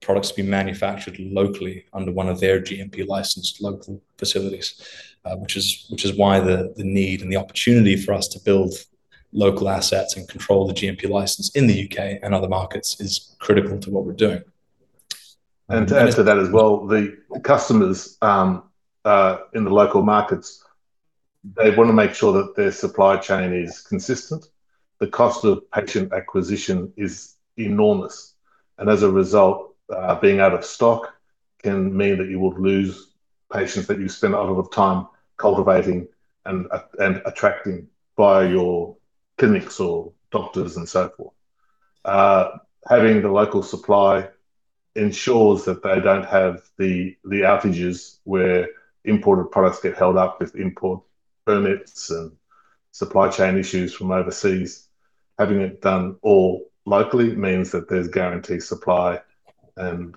Products be manufactured locally under one of their GMP licensed local facilities. Which is why the need and the opportunity for us to build local assets and control the GMP license in the U.K. and other markets is critical to what we're doing. To add to that as well, the customers in the local markets, they want to make sure that their supply chain is consistent. The cost of patient acquisition is enormous, and as a result, being out of stock can mean that you would lose patients that you've spent a lot of time cultivating and attracting via your clinics or doctors and so forth. Having the local supply ensures that they don't have the outages where imported products get held up with import permits and supply chain issues from overseas. Having it done all locally means that there's guaranteed supply and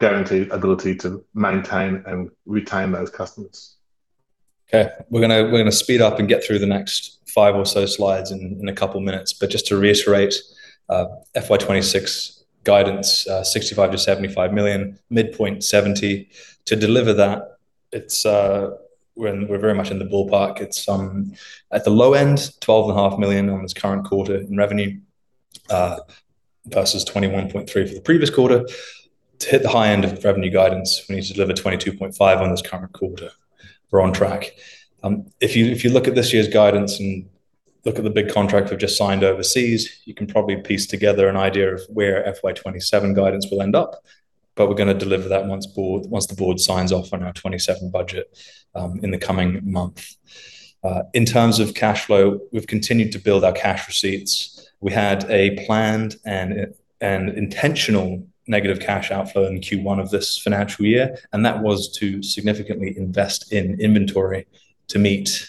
guaranteed ability to maintain and retain those customers. Okay. We're going to speed up and get through the next five or so slides in a couple of minutes. Just to reiterate, FY 2026 guidance, 65 million-75 million, midpoint 70 million. To deliver that, we're very much in the ballpark. It's at the low end, 12.5 million on this current quarter in revenue, versus 21.3 million for the previous quarter. To hit the high end of revenue guidance, we need to deliver 22.5 million on this current quarter. We're on track. If you look at this year's guidance and look at the big contract we've just signed overseas, you can probably piece together an idea of where FY 2027 guidance will end up, but we're going to deliver that once the board signs off on our 2027 budget in the coming month. In terms of cash flow, we've continued to build our cash receipts. We had a planned and intentional negative cash outflow in Q1 of this financial year, that was to significantly invest in inventory to meet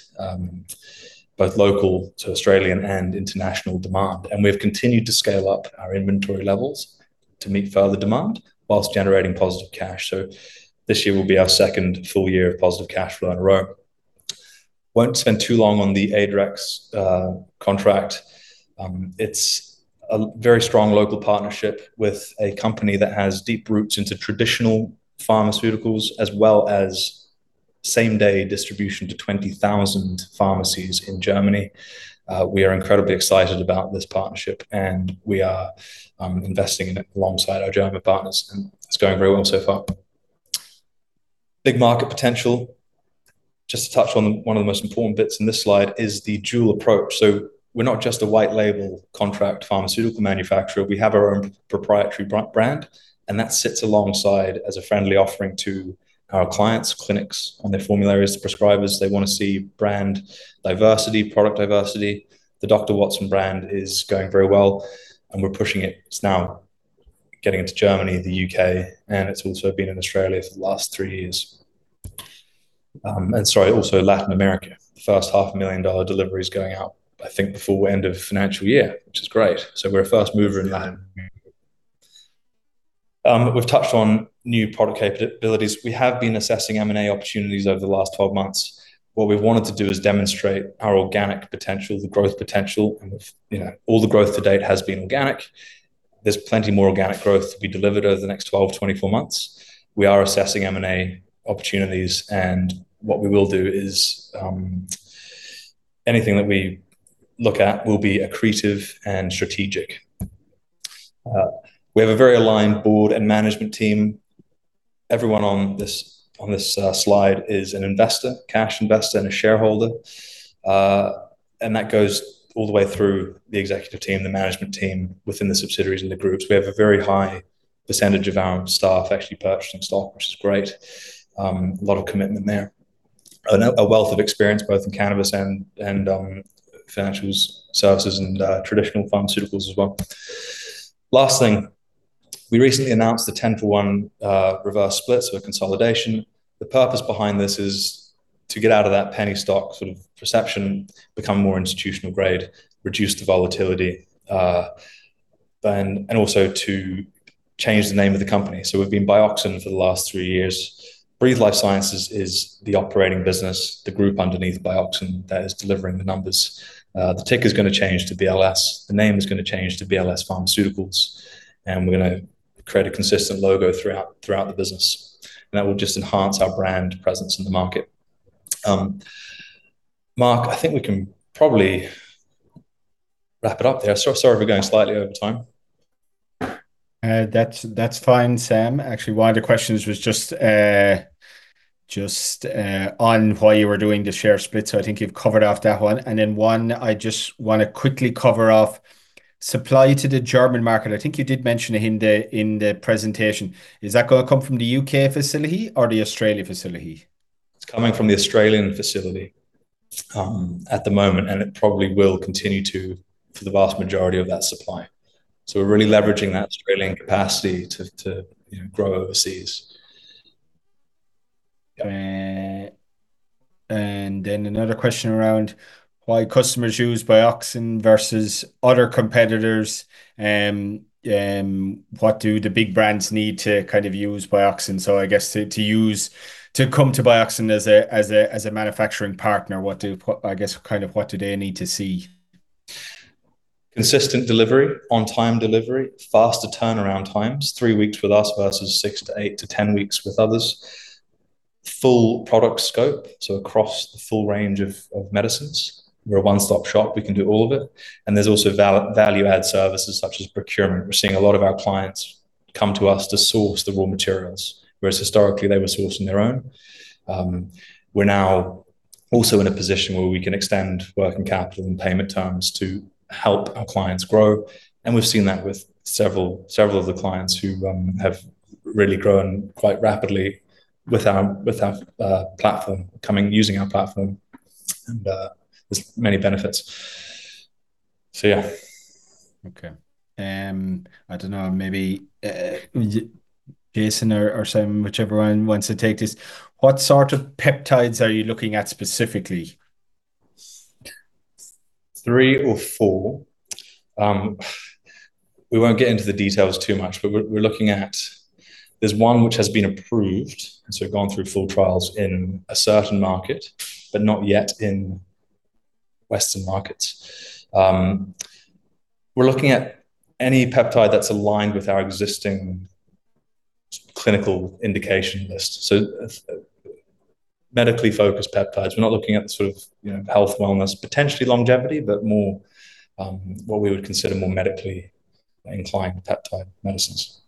both local, so Australian, and international demand. We've continued to scale up our inventory levels to meet further demand whilst generating positive cash. This year will be our second full year of positive cash flow in a row. Won't spend too long on the ADREX contract. It's a very strong local partnership with a company that has deep roots into traditional pharmaceuticals as well as same-day distribution to 20,000 pharmacies in Germany. We are incredibly excited about this partnership, and we are investing in it alongside our German partners, and it's going very well so far. Big market potential. Just to touch on one of the most important bits in this slide is the dual approach. We're not just a white label contract pharmaceutical manufacturer. We have our own proprietary brand, that sits alongside as a friendly offering to our clients, clinics on their formularies to prescribers. They want to see brand diversity, product diversity. The Dr. Watson brand is going very well, and we're pushing it. It's now getting into Germany, the U.K., and it's also been in Australia for the last three years. Sorry, also Latin America. First half a million dollar delivery is going out, I think, before end of financial year, which is great. We're a fast mover in LATAM. We've touched on new product capabilities. We have been assessing M&A opportunities over the last 12 months. What we've wanted to do is demonstrate our organic potential, the growth potential, and all the growth to date has been organic. There's plenty more organic growth to be delivered over the next 12 to 24 months. We are assessing M&A opportunities, and what we will do is, anything that we look at will be accretive and strategic. We have a very aligned board and management team. Everyone on this slide is an investor, cash investor, and a shareholder. That goes all the way through the executive team, the management team within the subsidiaries and the groups. We have a very high percentage of our staff actually purchasing stock, which is great. A lot of commitment there. A wealth of experience, both in cannabis and financial services and traditional pharmaceuticals as well. Last thing, we recently announced the 10-for-one reverse split, so a consolidation. The purpose behind this is to get out of that penny stock sort of perception, become more institutional grade, reduce the volatility, and also to change the name of the company. We've been Bioxyne for the last three years. Breathe Life Sciences is the operating business, the group underneath Bioxyne that is delivering the numbers. The ticker's going to change to BLS. The name is going to change to BLS Pharmaceuticals. We're going to create a consistent logo throughout the business. That will just enhance our brand presence in the market. Mark, I think we can probably wrap it up there. Sorry, we're going slightly over time. That's fine, Sam. Actually, one of the questions was just on why you were doing the share split. I think you've covered off that one. One I just want to quickly cover off, supply to the German market. I think you did mention it in the presentation. Is that going to come from the U.K. facility or the Australia facility? It's coming from the Australian facility at the moment, and it probably will continue to for the vast majority of that supply. We're really leveraging that Australian capacity to grow overseas. Another question around why customers use Bioxyne versus other competitors. What do the big brands need to use Bioxyne? I guess to come to Bioxyne as a manufacturing partner, what do they need to see? Consistent delivery, on-time delivery, faster turnaround times, three weeks with us versus six to eight to 10 weeks with others. Full product scope, so across the full range of medicines. We're a one-stop shop. We can do all of it. There's also value-add services such as procurement. We're seeing a lot of our clients come to us to source the raw materials, whereas historically, they were sourcing their own. We're now also in a position where we can extend working capital and payment terms to help our clients grow, and we've seen that with several of the clients who have really grown quite rapidly with our platform, using our platform, and there's many benefits. Yeah. Okay. I don't know, maybe Jason or Sam, whichever one wants to take this. What sort of peptides are you looking at specifically? Three or four. We won't get into the details too much, but we're looking at, there's one which has been approved, so gone through full trials in a certain market, but not yet in Western markets. We're looking at any peptide that's aligned with our existing clinical indication list. Medically-focused peptides. We're not looking at health, wellness, potentially longevity, but more what we would consider more medically inclined peptide medicines.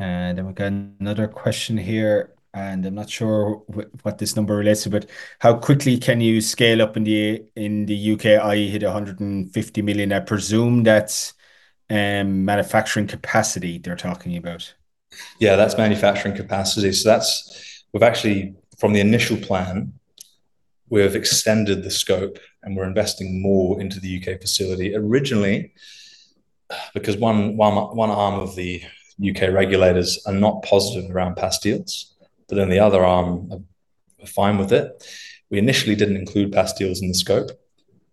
We've got another question here, and I'm not sure what this number relates to, "How quickly can you scale up in the U.K., i.e. hit 150 million?" I presume that's manufacturing capacity they're talking about. Yeah, that's manufacturing capacity. Actually, from the initial plan, we've extended the scope, and we're investing more into the U.K. facility. Originally, because one arm of the U.K. regulators are not positive around pastilles, but then the other arm are fine with it. We initially didn't include pastilles in the scope.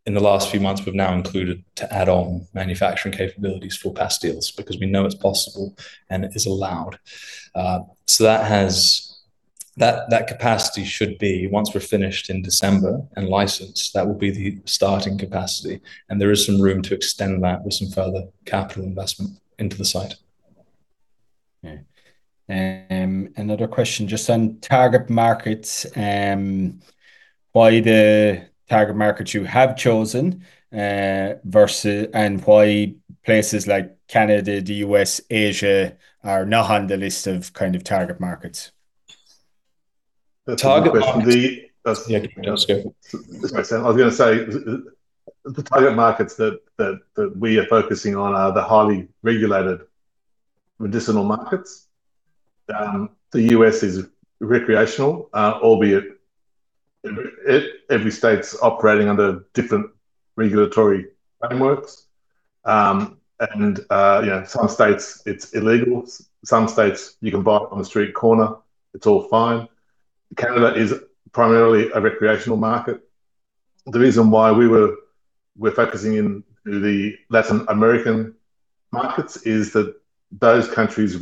In the last few months, we've now included to add on manufacturing capabilities for pastilles because we know it's possible, and it is allowed. That capacity should be, once we're finished in December and licensed, that will be the starting capacity, and there is some room to extend that with some further capital investment into the site. Yeah. Another question just on target markets, why the target markets you have chosen, and why places like Canada, the U.S., Asia, are not on the list of target markets. That's a good question. Target markets- The- Yeah, go for it. Sorry, Sam. I was going to say, the target markets that we are focusing on are the highly regulated medicinal markets. The U.S. is recreational, albeit every state's operating under different regulatory frameworks. Some states, it's illegal. Some states, you can buy it on the street corner, it's all fine. Canada is primarily a recreational market. The reason why we're focusing into the Latin American markets is that those countries,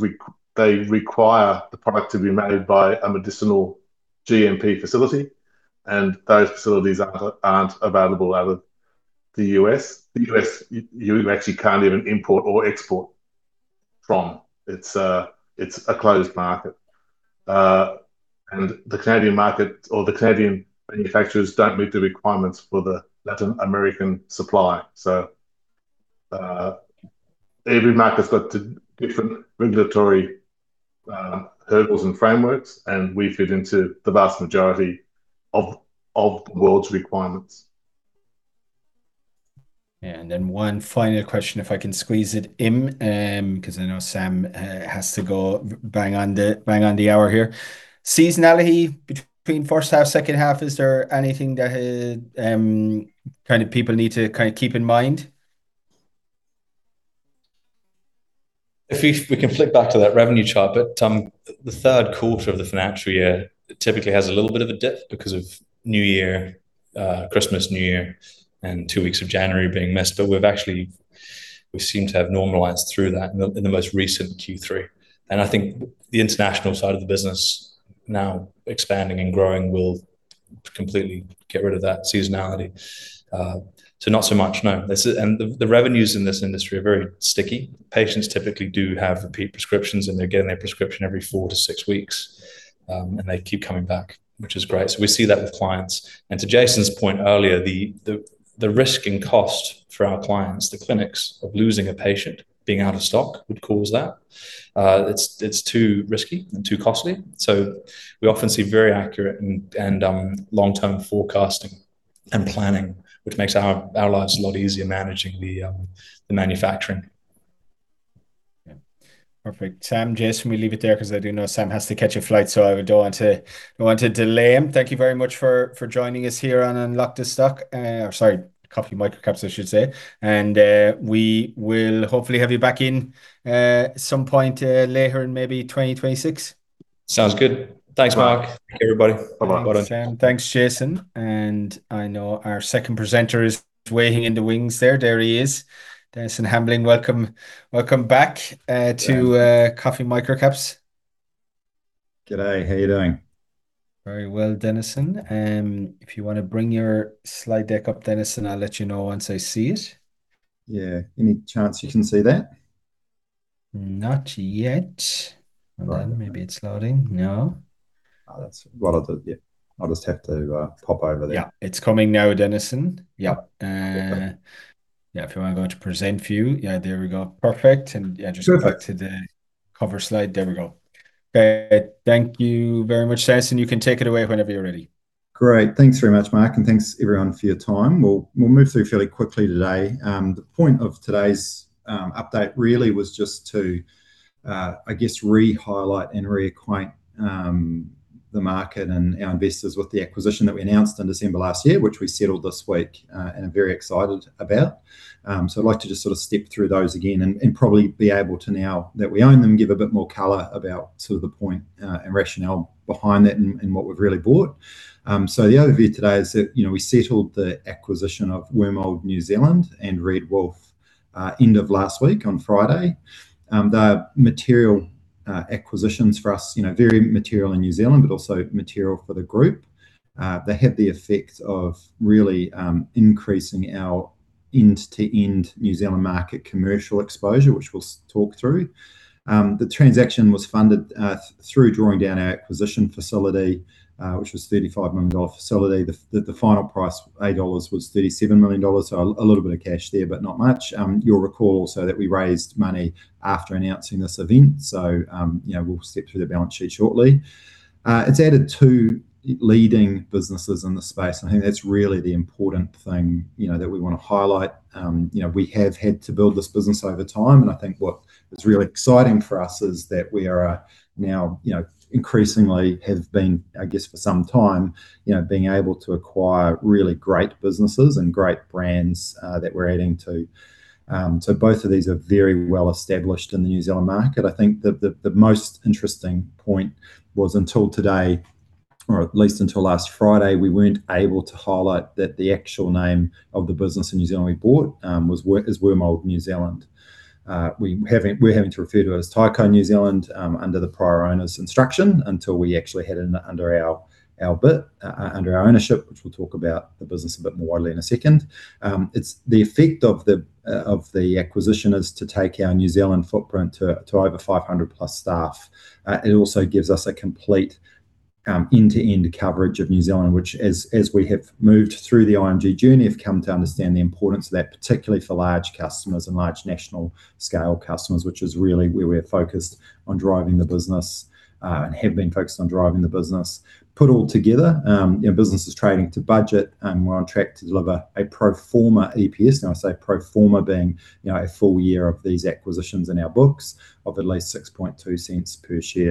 they require the product to be made by a medicinal GMP facility, and those facilities aren't available out of the U.S. The U.S., you actually can't even import or export from. It's a closed market. The Canadian market or the Canadian manufacturers don't meet the requirements for the Latin American supply. Every market's got different regulatory hurdles and frameworks, and we fit into the vast majority of the world's requirements. One final question, if I can squeeze it in, because I know Sam has to go bang on the hour here. Seasonality between first half, second half, is there anything that people need to keep in mind? If we can flip back to that revenue chart. The third quarter of the financial year typically has a little bit of a dip because of New Year, Christmas, New Year, and two weeks of January being missed. We've actually seemed to have normalized through that in the most recent Q3. I think the international side of the business now expanding and growing will completely get rid of that seasonality. Not so much, no. The revenues in this industry are very sticky. Patients typically do have repeat prescriptions, and they're getting their prescription every four to six weeks. They keep coming back, which is great. We see that with clients. To Jason's point earlier, the risk and cost for our clients, the clinics, of losing a patient, being out of stock would cause that. It's too risky and too costly. We often see very accurate and long-term forecasting and planning, which makes our lives a lot easier managing the manufacturing. Perfect. Sam, Jason, we leave it there because I do know Sam has to catch a flight, so I don't want to delay him. Thank you very much for joining us here on "Unlock The Stock," or sorry, "Coffee Microcaps" I should say. We will hopefully have you back in at some point later in maybe 2026. Sounds good. Thanks, Mark. Thank you, everybody. Bye-bye. Thanks, Sam. Thanks, Jason. I know our second presenter is waiting in the wings there. There he is. Dennison Hambling, welcome back to "Coffee Microcaps. Good day. How are you doing? Very well, Dennison. If you want to bring your slide deck up, Dennison, I'll let you know once I see it. Yeah. Any chance you can see that? Not yet. All right. Hold on. Maybe it's loading. No. That's what I thought, yeah. I'll just have to pop over there. Yeah. It's coming now, Dennison. Yeah. Perfect. Yeah. If you want to go to present view. Yeah, there we go. Perfect. Perfect just go back to the cover slide. There we go. Thank you very much, Dennison. You can take it away whenever you're ready. Great. Thanks very much, Mark, and thanks everyone for your time. We'll move through fairly quickly today. The point of today's update really was just to, I guess, re-highlight and reacquaint the market and our investors with the acquisition that we announced in December last year, which we settled this week, and I'm very excited about. I'd like to just step through those again and probably be able to, now that we own them, give a bit more color about the point and rationale behind that and what we've really bought. The overview today is that we settled the acquisition of Wormald New Zealand and Red Wolf end of last week on Friday. They are material acquisitions for us, very material in New Zealand, but also material for the group. They had the effect of really increasing our end-to-end New Zealand market commercial exposure, which we'll talk through. The transaction was funded through drawing down our acquisition facility, which was an 35 million dollar facility. The final price ergo was 37 million dollars. A little bit of cash there, but not much. You'll recall also that we raised money after announcing this event. We'll step through the balance sheet shortly. It's added two leading businesses in the space, I think that's really the important thing that we want to highlight. We have had to build this business over time, I think what is really exciting for us is that we are now increasingly have been, I guess, for some time, being able to acquire really great businesses and great brands that we're adding to. Both of these are very well established in the New Zealand market. I think the most interesting point was, until today, or at least until last Friday, we weren't able to highlight that the actual name of the business in New Zealand we bought is Wormald New Zealand. We were having to refer to it as Tyco New Zealand under the prior owner's instruction until we actually had it under our ownership, which we'll talk about the business a bit more widely in a second. The effect of the acquisition is to take our New Zealand footprint to over 500+ staff. It also gives us a complete end-to-end coverage of New Zealand. Which as we have moved through the IMG journey, have come to understand the importance of that, particularly for large customers and large national scale customers, which is really where we're focused on driving the business, and have been focused on driving the business. Put all together, our business is trading to budget, we're on track to deliver a pro forma EPS. I say pro forma being a full year of these acquisitions in our books of at least 0.062 per share.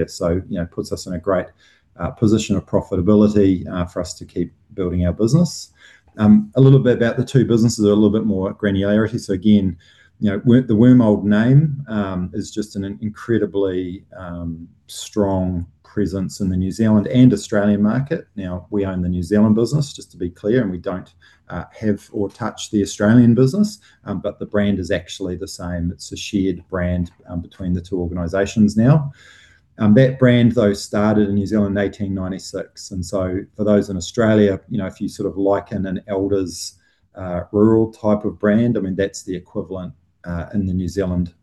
It puts us in a great position of profitability for us to keep building our business. A little bit about the two businesses, a little more granularity. Again, the Wormald name is just an incredibly strong presence in the New Zealand and Australian market. We own the New Zealand business, just to be clear, and we don't have or touch the Australian business. The brand is actually the same. It's a shared brand between the two organizations now. That brand, though, started in New Zealand in 1896. For those in Australia, if you liken an Elders rural type of brand, that's the equivalent in the New Zealand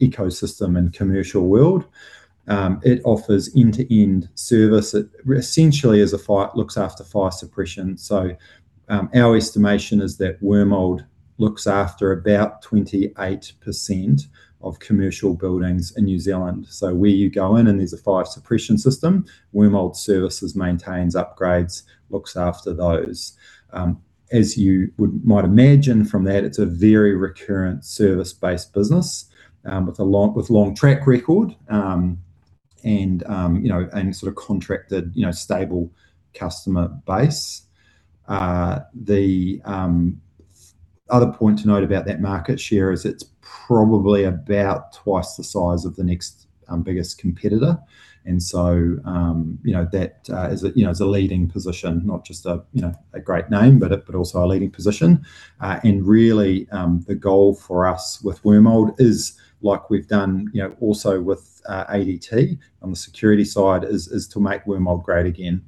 ecosystem and commercial world. It offers end-to-end service. It essentially looks after fire suppression. Our estimation is that Wormald looks after about 28% of commercial buildings in New Zealand. Where you go in and there's a fire suppression system, Wormald Services maintains, upgrades, looks after those. As you might imagine from that, it's a very recurrent service-based business with long track record, and contracted, stable customer base. The other point to note about that market share is it's probably about twice the size of the next biggest competitor. That is a leading position, not just a great name, but also a leading position. Really, the goal for us with Wormald is, like we've done also with ADT on the security side, is to make Wormald great again.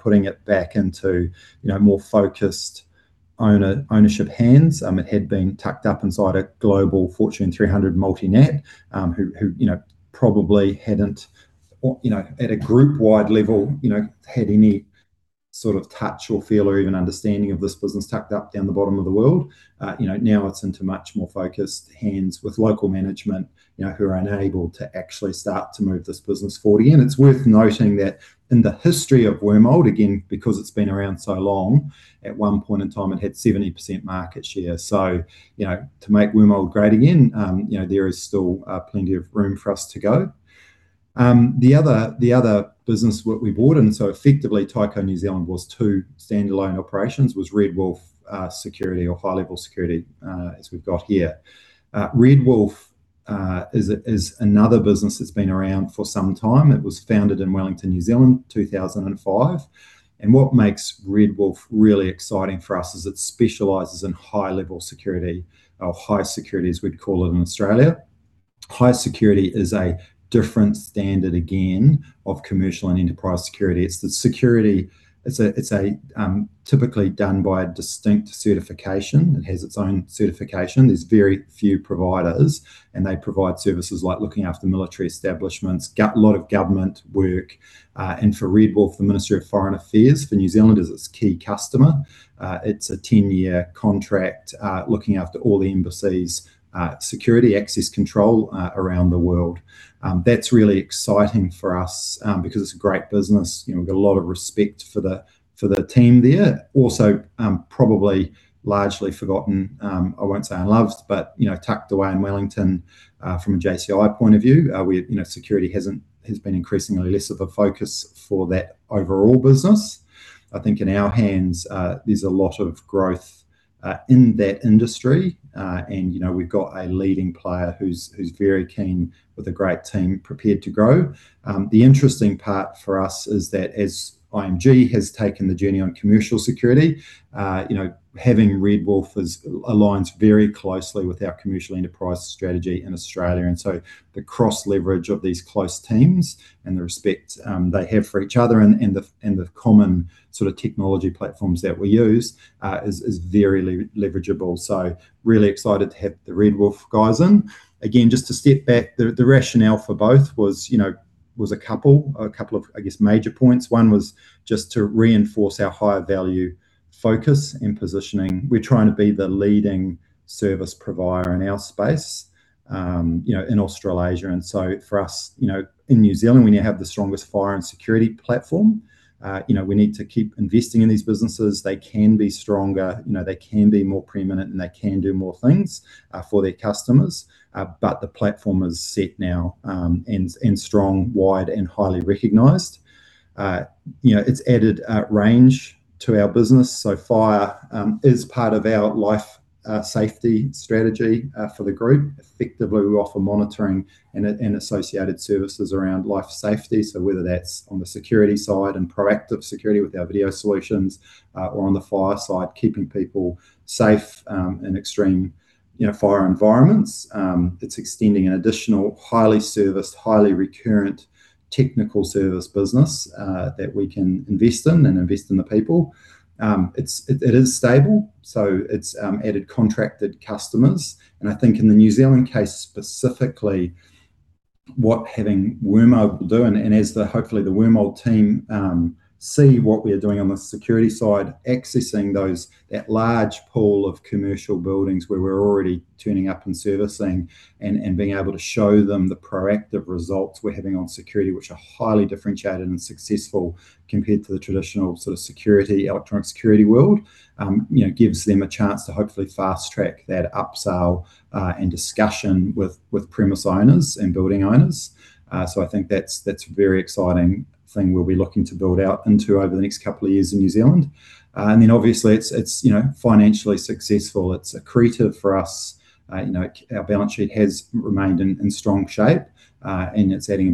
Putting it back into more focused ownership hands. It had been tucked up inside a global Fortune 300 multinational who probably hadn't at a group-wide level, had any sort of touch or feel or even understanding of this business tucked up down the bottom of the world. Now it's into much more focused hands with local management who are enabled to actually start to move this business forward again. It's worth noting that in the history of Wormald, again, because it's been around so long, at one point in time it had 70% market share. To make Wormald great again, there is still plenty of room for us to go. The other business that we bought in, so effectively Tyco New Zealand was two standalone operations, was Red Wolf Security or high-level security, as we've got here. Red Wolf is another business that's been around for some time. It was founded in Wellington, New Zealand, 2005. What makes Red Wolf really exciting for us is it specializes in high-level security or high security, as we'd call it in Australia. High security is a different standard, again, of commercial and enterprise security. It's the security. It's typically done by a distinct certification. It has its own certification. There's very few providers, and they provide services like looking after military establishments, a lot of government work. For Red Wolf, the Ministry of Foreign Affairs for New Zealand is its key customer. It's a 10-year contract, looking after all the embassies' security access control around the world. That's really exciting for us, because it's a great business. We've got a lot of respect for the team there. Also, probably largely forgotten, I won't say unloved, but tucked away in Wellington, from a JCI point of view, security has been increasingly less of a focus for that overall business. I think in our hands, there's a lot of growth in that industry. We've got a leading player who's very keen with a great team prepared to grow. The interesting part for us is that as IMG has taken the journey on commercial security, having Red Wolf aligns very closely with our commercial enterprise strategy in Australia. The cross-leverage of these close teams and the respect they have for each other and the common technology platforms that we use is very leverageable. Really excited to have the Red Wolf guys in. Again, just to step back, the rationale for both was a couple of, I guess, major points. One was just to reinforce our higher value focus in positioning. We're trying to be the leading service provider in our space, in Australasia. For us, in New Zealand, we now have the strongest fire and security platform. We need to keep investing in these businesses. They can be stronger, they can be more preeminent, and they can do more things for their customers. The platform is set now, and strong, wide, and highly recognized. It's added range to our business. Fire is part of our life safety strategy for the group. Effectively, we offer monitoring and associated services around life safety. Whether that's on the security side and proactive security with our video solutions, or on the fire side, keeping people safe in extreme fire environments. It's extending an additional highly serviced, highly recurrent technical service business that we can invest in and invest in the people. It is stable, so it's added contracted customers. I think in the New Zealand case specifically, what having Wormald will do, and as hopefully the Wormald team see what we're doing on the security side, accessing that large pool of commercial buildings where we're already turning up and servicing and being able to show them the proactive results we're having on security, which are highly differentiated and successful compared to the traditional electronic security world. Gives them a chance to hopefully fast-track that up-sale and discussion with premise owners and building owners. I think that's a very exciting thing we'll be looking to build out into over the next couple of years in New Zealand. Then obviously it's financially successful. It's accretive for us. Our balance sheet has remained in strong shape, and it's adding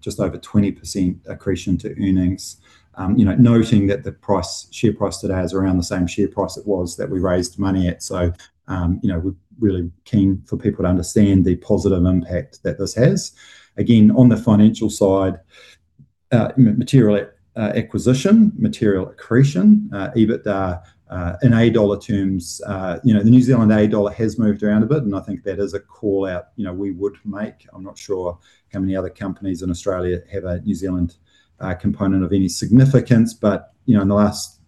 just over 20% accretion to earnings. Noting that the share price today is around the same share price it was that we raised money at. We're really keen for people to understand the positive impact that this has. Again, on the financial side, material acquisition, material accretion, EBITDA in AU dollar terms. The New Zealand AU dollar has moved around a bit, and I think that is a call-out we would make. I'm not sure how many other companies in Australia have a New Zealand component of any significance.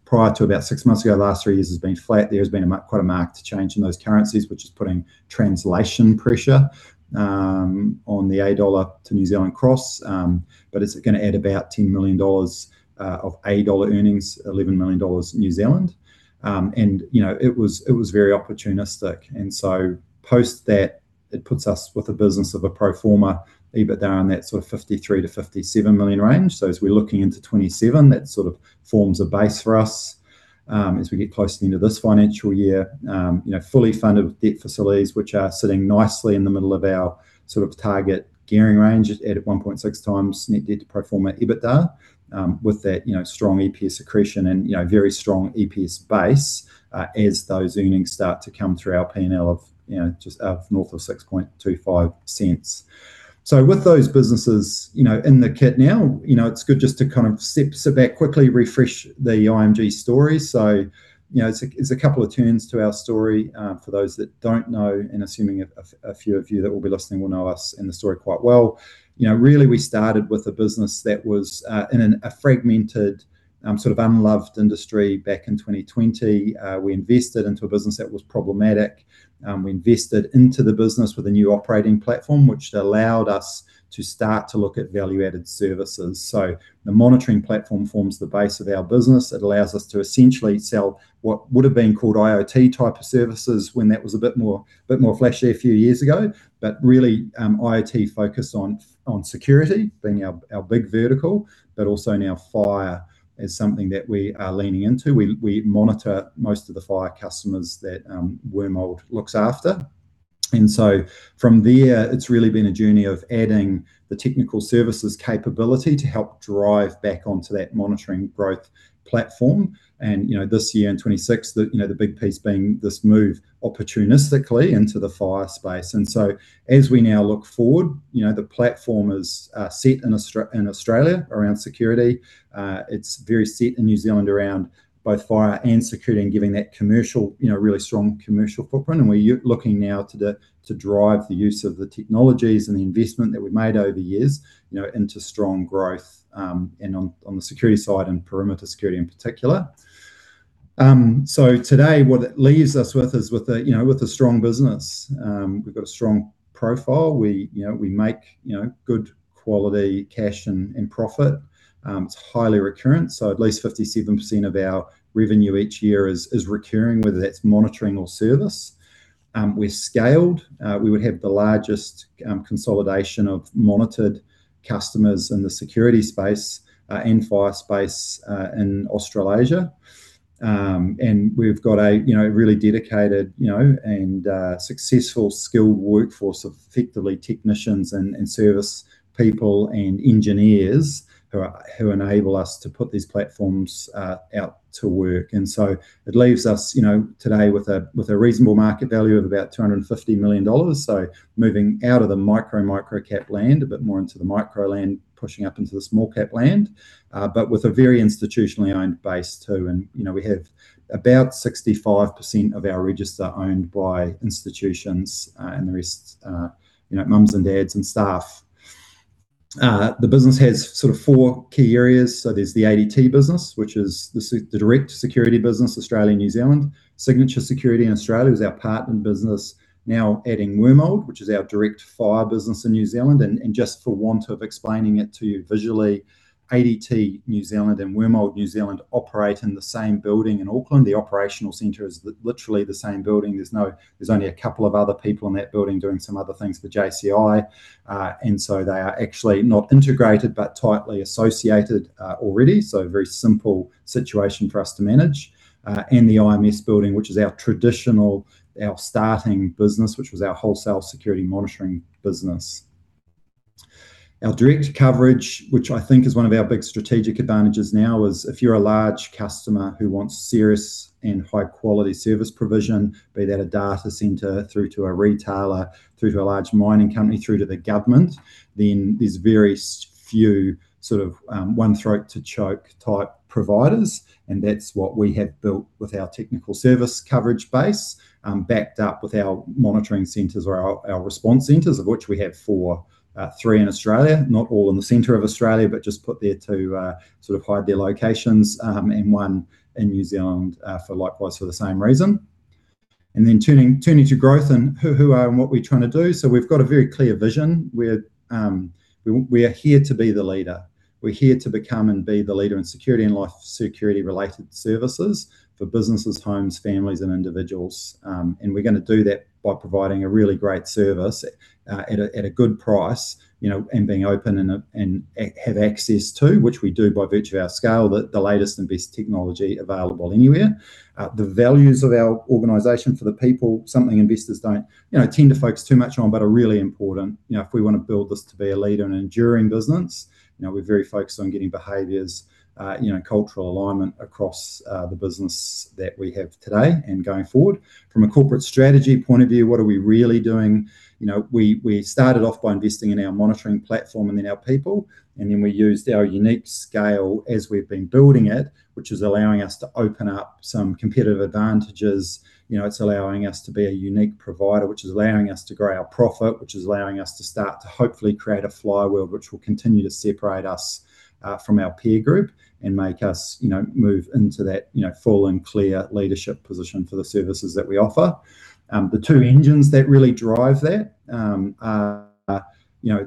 Prior to about six months ago, the last three years has been flat. There's been quite a marked change in those currencies, which is putting translation pressure on the AU dollar to New Zealand cross. It's going to add about 10 million dollars of earnings, 11 million dollar. It was very opportunistic, post that, it puts us with a business of a pro forma EBITDA in that sort of 53 million-57 million range. As we're looking into 2027, that forms a base for us. As we get close to the end of this financial year, fully funded debt facilities, which are sitting nicely in the middle of our target gearing range at 1.6x net debt to pro forma EBITDA, with that strong EPS accretion and very strong EPS base as those earnings start to come through our P&L of north of 0.0625. With those businesses in the kit now, it's good just to kind of step back quickly, refresh the IMG story. There's a couple of turns to our story, for those that don't know, and assuming a few of you that will be listening will know us and the story quite well. We started with a business that was in a fragmented, sort of unloved industry back in 2020. We invested into a business that was problematic. We invested into the business with a new operating platform, which allowed us to start to look at value-added services. The monitoring platform forms the base of our business. It allows us to essentially sell what would've been called IoT type of services when that was a bit more flashy a few years ago. Really, IoT focused on security being our big vertical, but also now fire is something that we are leaning into. We monitor most of the fire customers that Wormald looks after. From there, it's really been a journey of adding the technical services capability to help drive back onto that monitoring growth platform. This year, in 2026, the big piece being this move opportunistically into the fire space. As we now look forward, the platform is set in Australia around security. It's very set in New Zealand around both fire and security and giving that really strong commercial footprint. We're looking now to drive the use of the technologies and the investment that we've made over years into strong growth, and on the security side and perimeter security in particular. Today, what it leaves us with is with a strong business. We've got a strong profile. We make good quality cash and profit. It's highly recurrent, at least 57% of our revenue each year is recurring, whether that's monitoring or service. We're scaled. We would have the largest consolidation of monitored customers in the security space, and fire space in Australasia. We've got a really dedicated and successful skilled workforce of effectively technicians and service people and engineers who enable us to put these platforms out to work. It leaves us today with a reasonable market value of about 250 million dollars. Moving out of the micro-cap land, a bit more into the micro land, pushing up into the small-cap land, but with a very institutionally owned base, too. We have about 65% of our register owned by institutions, and the rest mums and dads and staff. The business has four key areas. There's the ADT business, which is the direct security business, Australia, New Zealand. Signature Security in Australia is our partner business now adding Wormald, which is our direct fire business in New Zealand. Just for want of explaining it to you visually, ADT New Zealand and Wormald New Zealand operate in the same building in Auckland. The operational center is literally the same building. There's only a couple of other people in that building doing some other things for JCI. They are actually not integrated, but tightly associated already. Very simple situation for us to manage. The IMS building, which is our traditional, our starting business, which was our wholesale security monitoring business. Our direct coverage, which I think is one of our big strategic advantages now is if you're a large customer who wants serious and high-quality service provision, be that a data center through to a retailer, through to a large mining company, through to the government, then there's very few one throat to choke type providers. That's what we have built with our technical service coverage base, backed up with our monitoring centers or our response centers, of which we have four. Three in Australia, not all in the center of Australia, but just put there to hide their locations, and one in New Zealand for likewise, for the same reason. Turning to growth and who we are and what we're trying to do. We've got a very clear vision. We are here to be the leader. We're here to become and be the leader in security and life security-related services for businesses, homes, families, and individuals. We're going to do that by providing a really great service at a good price, and being open and have access to, which we do by virtue of our scale, the latest and best technology available anywhere. The values of our organization for the people, something investors don't tend to focus too much on, but are really important if we want to build this to be a leader in an enduring business. We're very focused on getting behaviors, cultural alignment across the business that we have today and going forward. From a corporate strategy point of view, what are we really doing? We started off by investing in our monitoring platform and then our people, and then we used our unique scale as we've been building it, which is allowing us to open up some competitive advantages. It's allowing us to be a unique provider, which is allowing us to grow our profit, which is allowing us to start to hopefully create a flywheel, which will continue to separate us from our peer group and make us move into that full and clear leadership position for the services that we offer. The two engines that really drive that are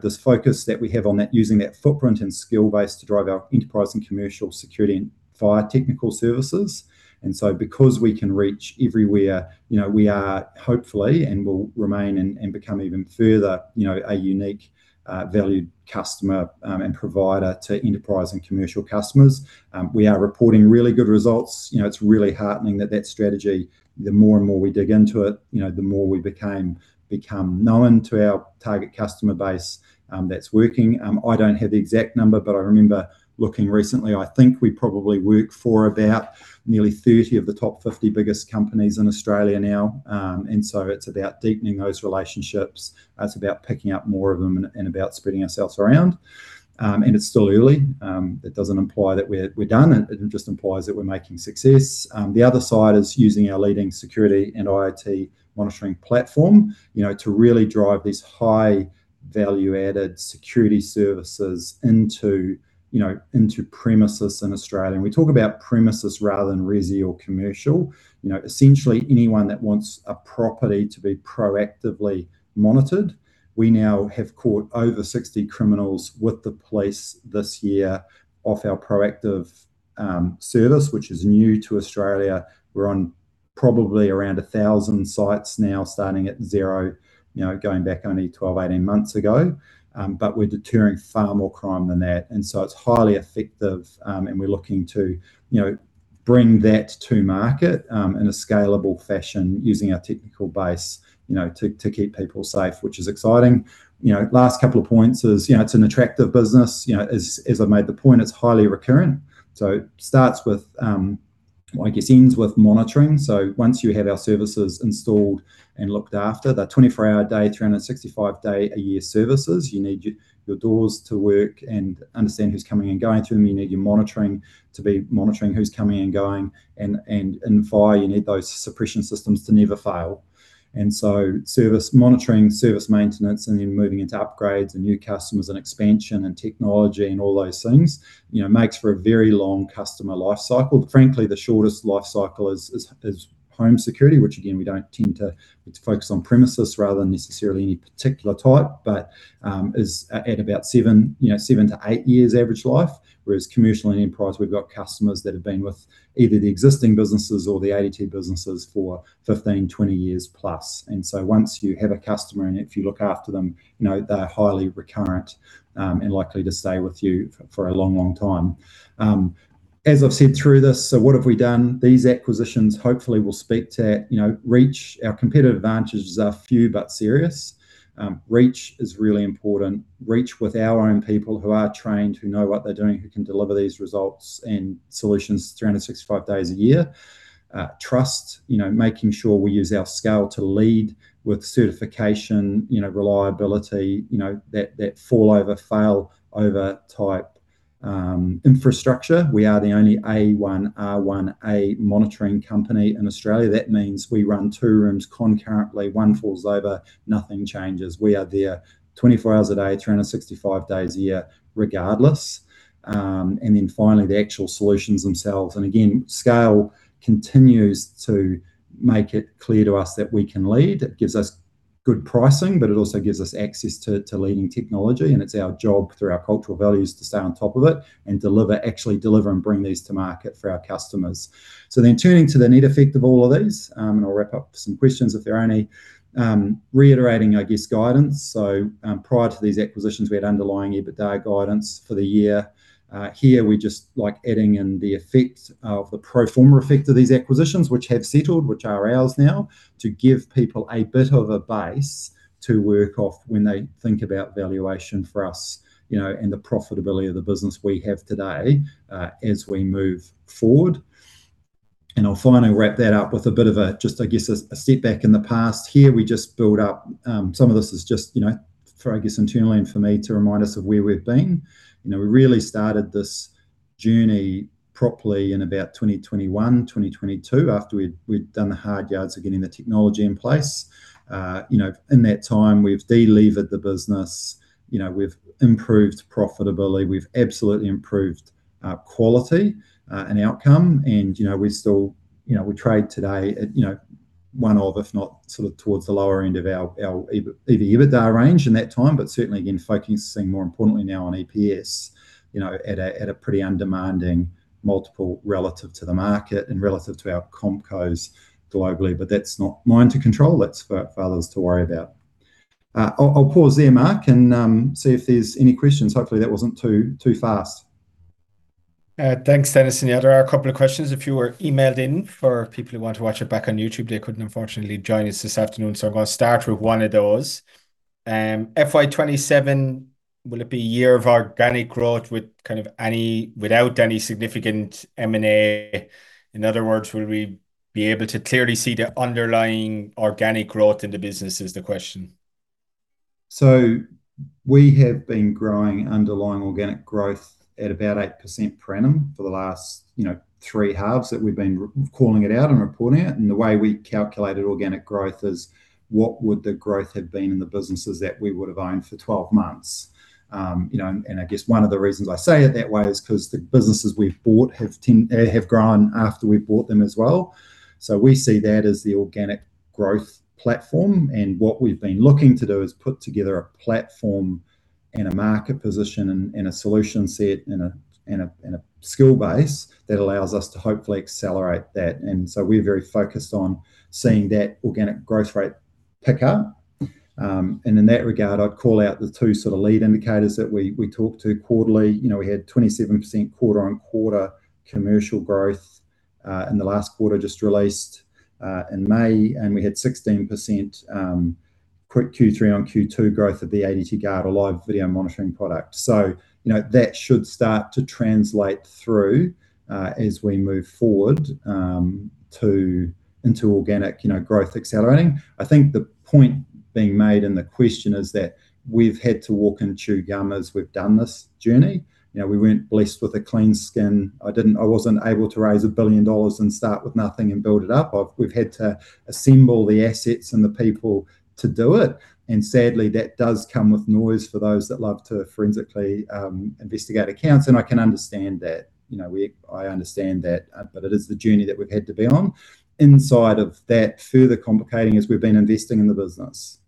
this focus that we have on using that footprint and skill base to drive our enterprise and commercial security and fire technical services. Because we can reach everywhere, we are hopefully and will remain and become even further, a unique valued customer, and provider to enterprise and commercial customers. We are reporting really good results. It's really heartening that that strategy, the more and more we dig into it, the more we become known to our target customer base. That's working. I don't have the exact number, but I remember looking recently, I think we probably work for about nearly 30 of the top 50 biggest companies in Australia now. It's about deepening those relationships. It's about picking up more of them and about spreading ourselves around. It's still early. It doesn't imply that we're done. It just implies that we're making success. The other side is using our leading security and IoT monitoring platform to really drive these high value-added security services into premises in Australia. We talk about premises rather than resi or commercial. Essentially anyone that wants a property to be proactively monitored. We now have caught over 60 criminals with the police this year off our proactive service, which is new to Australia. We're on probably around 1,000 sites now, starting at zero, going back only 12, 18 months ago. We're deterring far more crime than that, and so it's highly effective. We're looking to bring that to market in a scalable fashion using our technical base to keep people safe, which is exciting. Last couple of points is, it's an attractive business. As I made the point, it's highly recurrent. It starts with, I guess, ends with monitoring. Once you have our services installed and looked after, that 24-hour a day, 365-day a year services. You need your doors to work and understand who's coming and going through them. You need your monitoring to be monitoring who's coming and going, and fire, you need those suppression systems to never fail. Service monitoring, service maintenance, then moving into upgrades and new customers and expansion and technology and all those things makes for a very long customer life cycle. Frankly, the shortest life cycle is home security, which again, we focus on premises rather than necessarily any particular type, but is at about seven to eight years average life. Whereas commercial and enterprise, we've got customers that have been with either the existing businesses or the ADT businesses for 15, 20 years plus. Once you have a customer and if you look after them, they're highly recurrent, and likely to stay with you for a long time. As I've said through this, what have we done? These acquisitions hopefully will speak to reach. Our competitive advantages are few but serious. Reach is really important. Reach with our own people who are trained, who know what they're doing, who can deliver these results and solutions 365 days a year. Trust. Making sure we use our scale to lead with certification, reliability, that fallover, failover type infrastructure. We are the only A1-R1A monitoring company in Australia. That means we run two rooms concurrently. One falls over, nothing changes. We are there 24 hours a day, 365 days a year regardless. Then finally, the actual solutions themselves. Again, scale continues to make it clear to us that we can lead. It gives us good pricing, but it also gives us access to leading technology, and it's our job through our cultural values to stay on top of it and actually deliver and bring these to market for our customers. Turning to the net effect of all of these, and I'll wrap up some questions if there are any. Reiterating, I guess, guidance. Prior to these acquisitions, we had underlying EBITDA guidance for the year. Here we're just adding in the pro forma effect of these acquisitions, which have settled, which are ours now, to give people a bit of a base to work off when they think about valuation for us, and the profitability of the business we have today, as we move forward. I'll finally wrap that up with a bit of a just a step back in the past here. We just build up. Some of this is just for, I guess, internally and for me to remind us of where we've been. We really started this journey properly in about 2021, 2022, after we'd done the hard yards of getting the technology in place. In that time, we've de-levered the business, we've improved profitability, we've absolutely improved quality and outcome. We trade today at one of, if not towards the lower end of our EBITDA range in that time. Certainly, again, focusing more importantly now on EPS, at a pretty undemanding multiple relative to the market and relative to our comp cos globally. That's not mine to control. That's for others to worry about. I'll pause there, Mark, and see if there's any questions. Hopefully, that wasn't too fast. Thanks, Dennison. Yeah, there are a couple of questions, a few were emailed in for people who want to watch it back on YouTube. They couldn't unfortunately join us this afternoon. I'm going to start with one of those. FY 2027, will it be a year of organic growth without any significant M&A? In other words, will we be able to clearly see the underlying organic growth in the business, is the question. We have been growing underlying organic growth at about 8% per annum for the last three halves that we've been calling it out and reporting it. The way we calculated organic growth is what would the growth have been in the businesses that we would have owned for 12 months. I guess one of the reasons I say it that way is because the businesses we've bought have grown after we've bought them as well. We see that as the organic growth platform. What we've been looking to do is put together a platform and a market position and a solution set and a skill base that allows us to hopefully accelerate that. We're very focused on seeing that organic growth rate pick up. In that regard, I'd call out the two lead indicators that we talk to quarterly. We had 27% quarter-on-quarter commercial growth, in the last quarter just released, in May. We had 16% Q3-on-Q2 growth of the ADT Guard, a live video monitoring product. That should start to translate through, as we move forward into organic growth accelerating. I think the point being made in the question is that we've had to walk and chew gum as we've done this journey. We weren't blessed with a clean skin. I wasn't able to raise 1 billion dollars and start with nothing and build it up. We've had to assemble the assets and the people to do it. Sadly, that does come with noise for those that love to forensically investigate accounts, and I can understand that, but it is the journey that we've had to be on. Inside of that, further complicating is we've been investing in the business.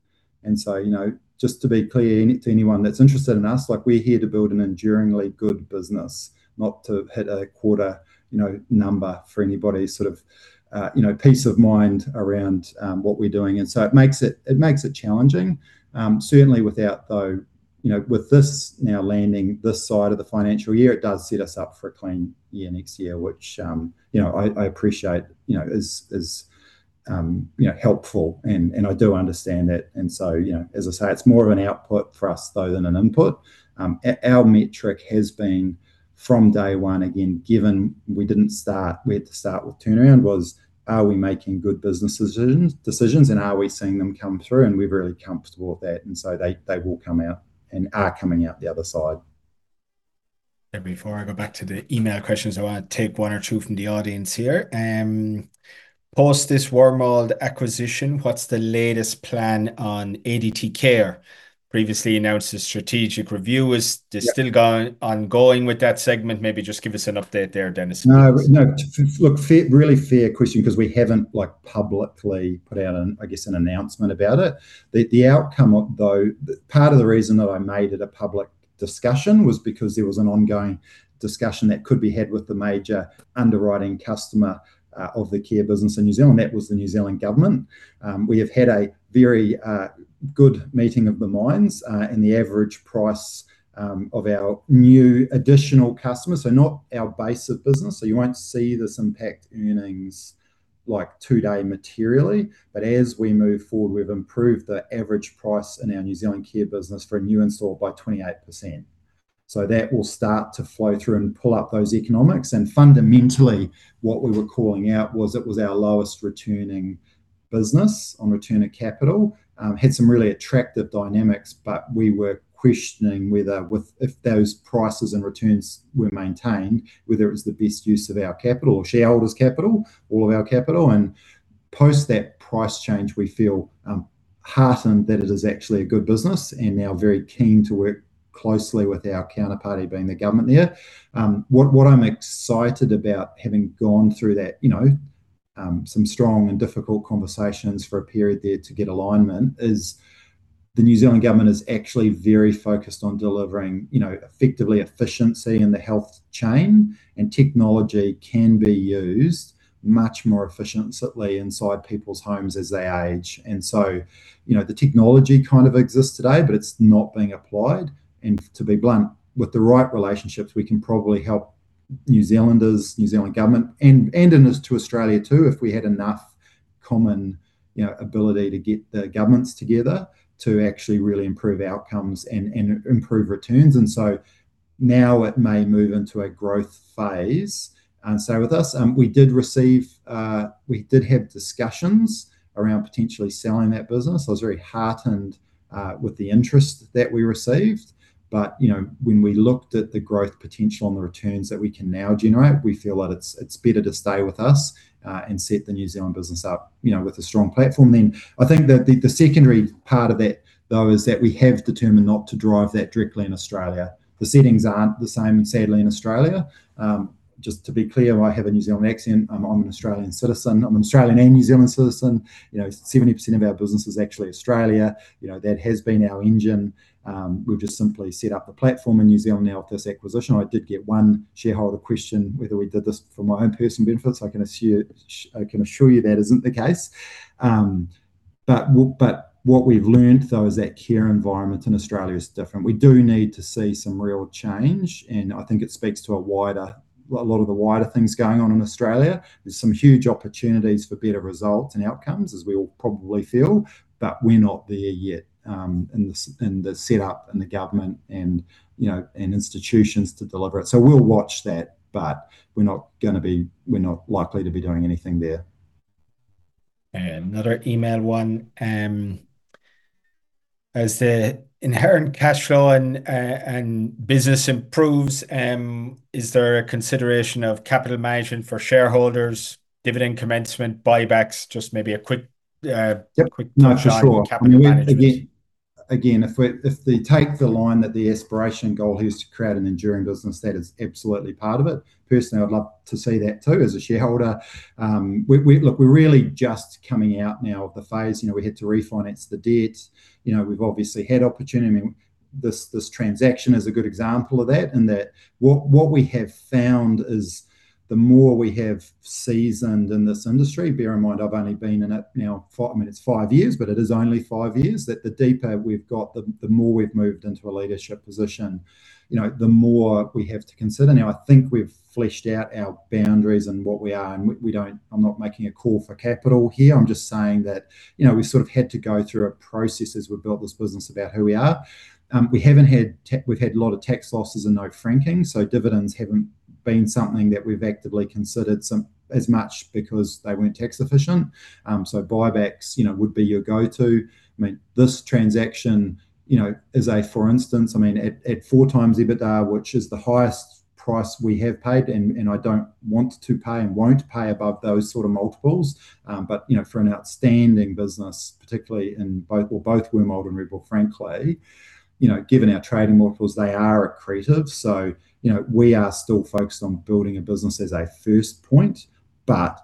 Just to be clear to anyone that's interested in us, we're here to build an enduringly good business, not to hit a quarter number for anybody's peace of mind around what we're doing. It makes it challenging. Certainly with this now landing this side of the financial year, it does set us up for a clean year next year, which I appreciate is helpful, and I do understand that. As I say, it's more of an output for us though than an input. Our metric has been from day one, again, given we had to start with turnaround, was are we making good business decisions, and are we seeing them come through? We're really comfortable with that. They will come out and are coming out the other side. Before I go back to the email questions, I want to take one or two from the audience here. Post this Wormald acquisition, what's the latest plan on ADT Care? Previously announced a strategic review they still ongoing with that segment? Maybe just give us an update there, Dennison, if you would. No. Look, really fair question because we haven't publicly put out, I guess, an announcement about it. The outcome, though, part of the reason that I made it a public discussion was because there was an ongoing discussion that could be had with the major underwriting customer of the care business in New Zealand. That was the New Zealand government. We have had a very good meeting of the minds, and the average price of our new additional customers, so not our base of business, so you won't see this impact earnings today materially. As we move forward, we've improved the average price in our New Zealand care business for a new install by 28%. That will start to flow through and pull up those economics, and fundamentally what we were calling out was it was our lowest returning business on return of capital. Had some really attractive dynamics, but we were questioning whether if those prices and returns were maintained, whether it was the best use of our capital or shareholders' capital, all of our capital. Post that price change, we feel heartened that it is actually a good business and now very keen to work closely with our counterparty being the government there. What I'm excited about having gone through that, some strong and difficult conversations for a period there to get alignment, is the New Zealand Government is actually very focused on delivering effectively efficiency in the health chain, and technology can be used much more efficiently inside people's homes as they age. The technology kind of exists today, but it's not being applied. To be blunt, with the right relationships, we can probably help New Zealanders, New Zealand government, and in as to Australia too, if we had enough common ability to get the governments together to actually really improve outcomes and improve returns. Now it may move into a growth phase. With us, we did have discussions around potentially selling that business. I was very heartened with the interest that we received. When we looked at the growth potential and the returns that we can now generate, we feel that it's better to stay with us, and set the New Zealand business up with a strong platform then. I think that the secondary part of that, though, is that we have determined not to drive that directly in Australia. The settings aren't the same, sadly, in Australia. Just to be clear, I have a New Zealand accent. I'm an Australian citizen. I'm an Australian and New Zealand citizen. 70% of our business is actually Australia. That has been our engine. We've just simply set up a platform in New Zealand now with this acquisition. I did get one shareholder question whether we did this for my own personal benefits. I can assure you that isn't the case. What we've learned, though, is that care environment in Australia is different. We do need to see some real change, and I think it speaks to a lot of the wider things going on in Australia. There's some huge opportunities for better results and outcomes, as we all probably feel, but we're not there yet, in the setup and the government and institutions to deliver it. We'll watch that, but we're not likely to be doing anything there. Another email one. As the inherent cash flow and business improves, is there a consideration of capital management for shareholders, dividend commencement, buybacks? Just a quick Yep touch on capital management. No, for sure. Again, if they take the line that the aspiration goal here is to create an enduring business, that is absolutely part of it. Personally, I would love to see that too as a shareholder. Look, we're really just coming out now of the phase. We had to refinance the debt. We've obviously had opportunity. This transaction is a good example of that in that what we have found is the more we have seasoned in this industry, bear in mind I've only been in it now five years, but it is only five years, that the deeper we've got, the more we've moved into a leadership position, the more we have to consider. Now, I think we've fleshed out our boundaries and what we are, and I'm not making a call for capital here. I'm just saying that we've sort of had to go through a process as we've built this business about who we are. We've had a lot of tax losses and no franking, so dividends haven't been something that we've actively considered as much because they weren't tax efficient. Buybacks would be your go-to. This transaction is a for instance. At 4x EBITDA, which is the highest price we have paid, and I don't want to pay and won't pay above those sort of multiples. For an outstanding business, particularly in both Wormald and Red Wolf, frankly, given our trading multiples, they are accretive. We are still focused on building a business as a first point.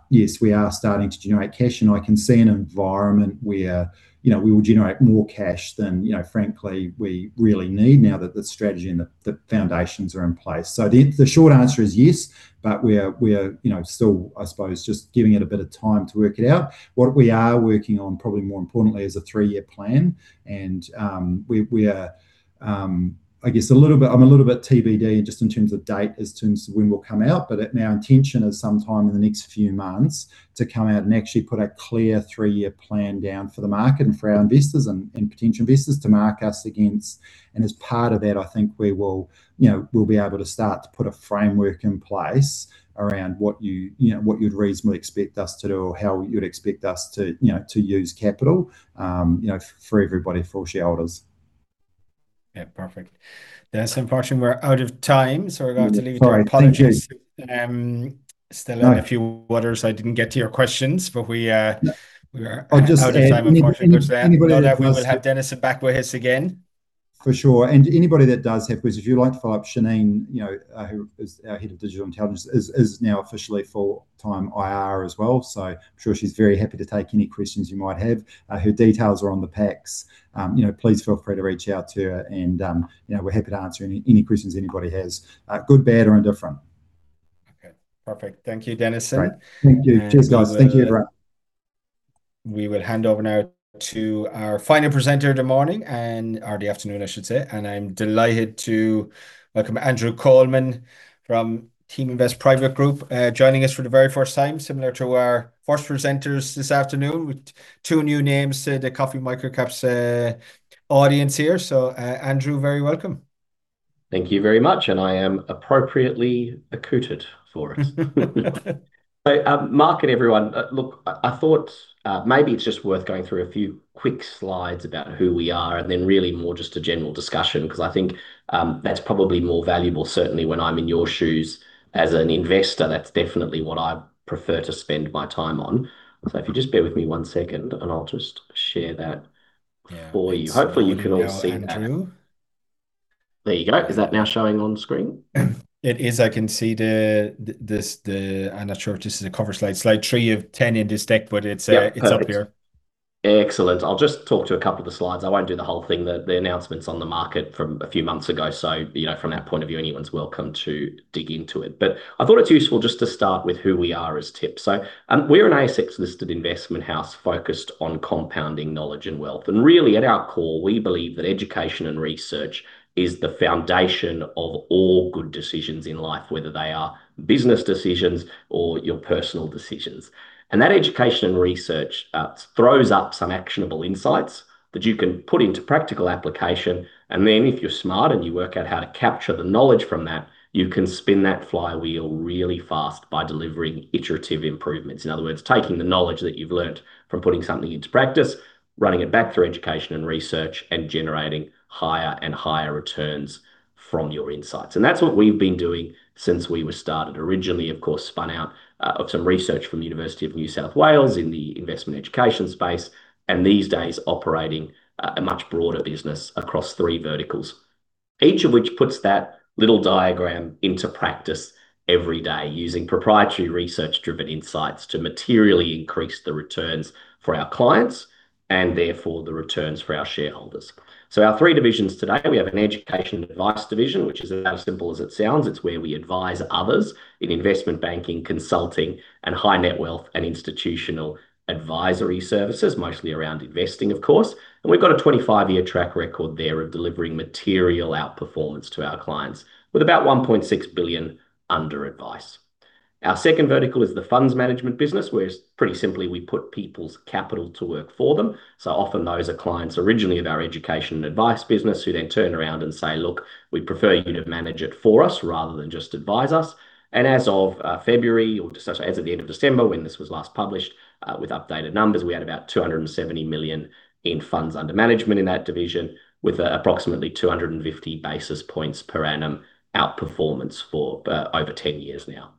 Yes, we are starting to generate cash, and I can see an environment where we will generate more cash than frankly we really need now that the strategy and the foundations are in place. The short answer is yes, but we are still, I suppose just giving it a bit of time to work it out. What we are working on, probably more importantly, is a three-year plan, and I'm a little bit TBD just in terms of date as to when we'll come out. Our intention is some time in the next few months to come out and actually put a clear three-year plan down for the market and for our investors and potential investors to mark us against. As part of that, I think we'll be able to start to put a framework in place around what you'd reasonably expect us to do or how you'd expect us to use capital for everybody, for shareholders. Yeah. Perfect. Dennison, unfortunately, we're out of time, so we're going to leave it there. All right. Thank you. to apologies. No Still a few others I didn't get to your question. We are out of time unfortunately. I'll just say if anybody has- No doubt we will have Dennison back with us again. For sure. Anybody that does have queries, if you'd like to follow up, Shaneen, who is our head of digital intelligence, is now officially full-time IR as well, so I'm sure she's very happy to take any questions you might have. Her details are on the packs. Please feel free to reach out to her, and we're happy to answer any questions anybody has. Good, bad, or indifferent. Okay. Perfect. Thank you, Dennison. Great. Thank you. Cheers, guys. Thank you, everyone. We will hand over now to our final presenter of the morning, or the afternoon I should say. I'm delighted to welcome Andrew Coleman from Teaminvest Private Group, joining us for the very first time, similar to our first presenters this afternoon with two new names to the Coffee Microcaps audience here. Andrew, very welcome. Thank you very much. I am appropriately accoutred for it. Mark and everyone, look, I thought maybe it's just worth going through a few quick slides about who we are and then really more just a general discussion, because I think that's probably more valuable. Certainly when I'm in your shoes as an investor, that's definitely what I prefer to spend my time on. If you just bear with me one second, and I'll just share that for you. Yeah. It's running now, Andrew. Hopefully you can all see that. There you go. Is that now showing on screen? It is. I can see I'm not sure if this is a cover slide. Slide three of 10 in this deck, but it is up here. Yep. Perfect. Excellent. I'll just talk to a couple of the slides. I won't do the whole thing. The announcement's on the market from a few months ago, so from that point of view, anyone's welcome to dig into it. I thought it's useful just to start with who we are as TIP. We're an ASX-listed investment house focused on compounding knowledge and wealth, and really at our core, we believe that education and research is the foundation of all good decisions in life, whether they are business decisions or your personal decisions. That education and research throws up some actionable insights that you can put into practical application, and then if you're smart and you work out how to capture the knowledge from that, you can spin that flywheel really fast by delivering iterative improvements. In other words, taking the knowledge that you've learnt from putting something into practice, running it back through education and research, generating higher and higher returns from your insights. That's what we've been doing since we were started. Originally, of course, spun out of some research from University of New South Wales in the investment education space, and these days operating a much broader business across three verticals, each of which puts that little diagram into practice every day using proprietary research-driven insights to materially increase the returns for our clients, and therefore the returns for our shareholders. Our three divisions today, we have an education and advice division, which is about as simple as it sounds. It's where we advise others in investment banking, consulting, and high net wealth and institutional advisory services, mostly around investing of course. We've got a 25-year track record there of delivering material outperformance to our clients, with about 1.6 billion under advice. Our second vertical is the funds management business, where pretty simply, we put people's capital to work for them. Often those are clients originally of our education and advice business who then turn around and say, "Look, we'd prefer you to manage it for us rather than just advise us." As of February, or sorry, as at the end of December when this was last published with updated numbers, we had about 270 million in funds under management in that division, with approximately 250 basis points per annum outperformance for over 10 years now.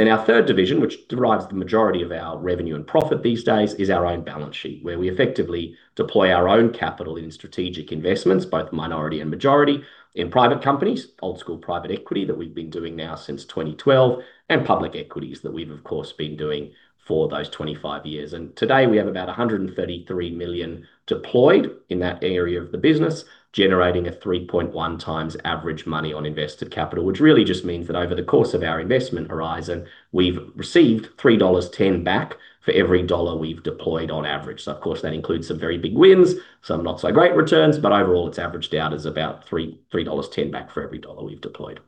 Our third division, which derives the majority of our revenue and profit these days, is our own balance sheet, where we effectively deploy our own capital in strategic investments, both minority and majority, in private companies, old school private equity that we've been doing now since 2012, and public equities that we've of course been doing for those 25 years. Today, we have about 133 million deployed in that area of the business, generating a 3.1x average money on invested capital. Which really just means that over the course of our investment horizon, we've received 3.10 dollars back for every dollar we've deployed on average. Of course, that includes some very big wins, some not so great returns, but overall, it's averaged out as about 3.10 dollars back for every dollar we've deployed.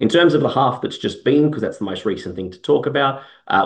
In terms of the half that's just been, because that's the most recent thing to talk about,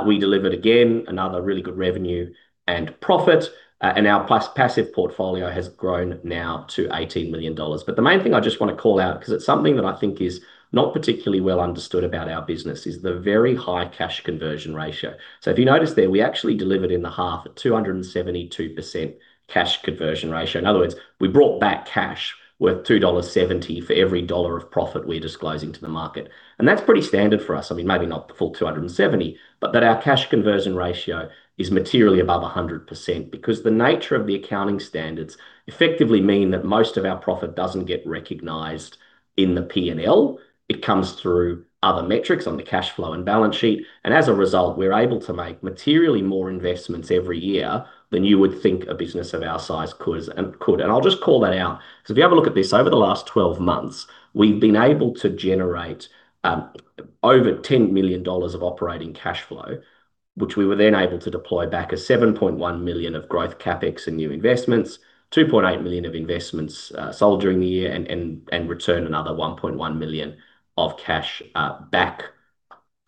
we delivered again another really good revenue and profit, and our passive portfolio has grown now to 18 million dollars. The main thing I just want to call out, because it's something that I think is not particularly well understood about our business, is the very high cash conversion ratio. If you notice there, we actually delivered in the half a 272% cash conversion ratio. In other words, we brought back cash worth 2.70 dollars for every dollar of profit we're disclosing to the market. That's pretty standard for us. Maybe not the full 270, but that our cash conversion ratio is materially above 100%, because the nature of the accounting standards effectively mean that most of our profit doesn't get recognized in the P&L. It comes through other metrics on the cash flow and balance sheet. As a result, we're able to make materially more investments every year than you would think a business of our size could. I'll just call that out, because if you have a look at this, over the last 12 months, we've been able to generate over 10 million dollars of operating cash flow, which we were then able to deploy back as 7.1 million of growth CapEx and new investments, 2.8 million of investments sold during the year, and return another 1.1 million of cash back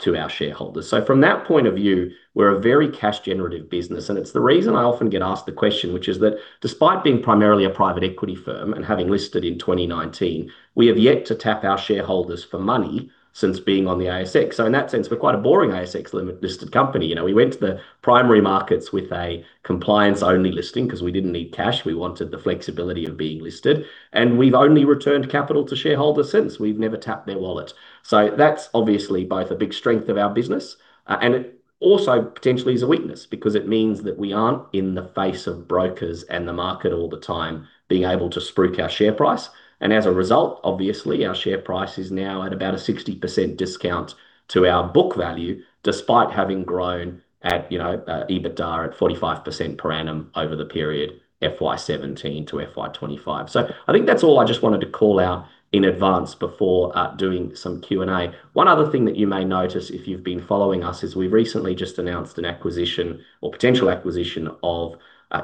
to our shareholders. From that point of view, we're a very cash generative business, and it's the reason I often get asked the question, which is that despite being primarily a private equity firm and having listed in 2019, we have yet to tap our shareholders for money since being on the ASX. In that sense, we're quite a boring ASX-listed company. We went to the primary markets with a compliance-only listing because we didn't need cash. We wanted the flexibility of being listed. We've only returned capital to shareholders since. We've never tapped their wallet. That's obviously both a big strength of our business and it also potentially is a weakness because it means that we aren't in the face of brokers and the market all the time being able to spruik our share price. As a result, obviously, our share price is now at about a 60% discount to our book value, despite having grown at EBITDA at 45% per annum over the period FY 2017 to FY 2025. I think that's all I just wanted to call out in advance before doing some Q&A. One other thing that you may notice if you've been following us is we recently just announced an acquisition or potential acquisition of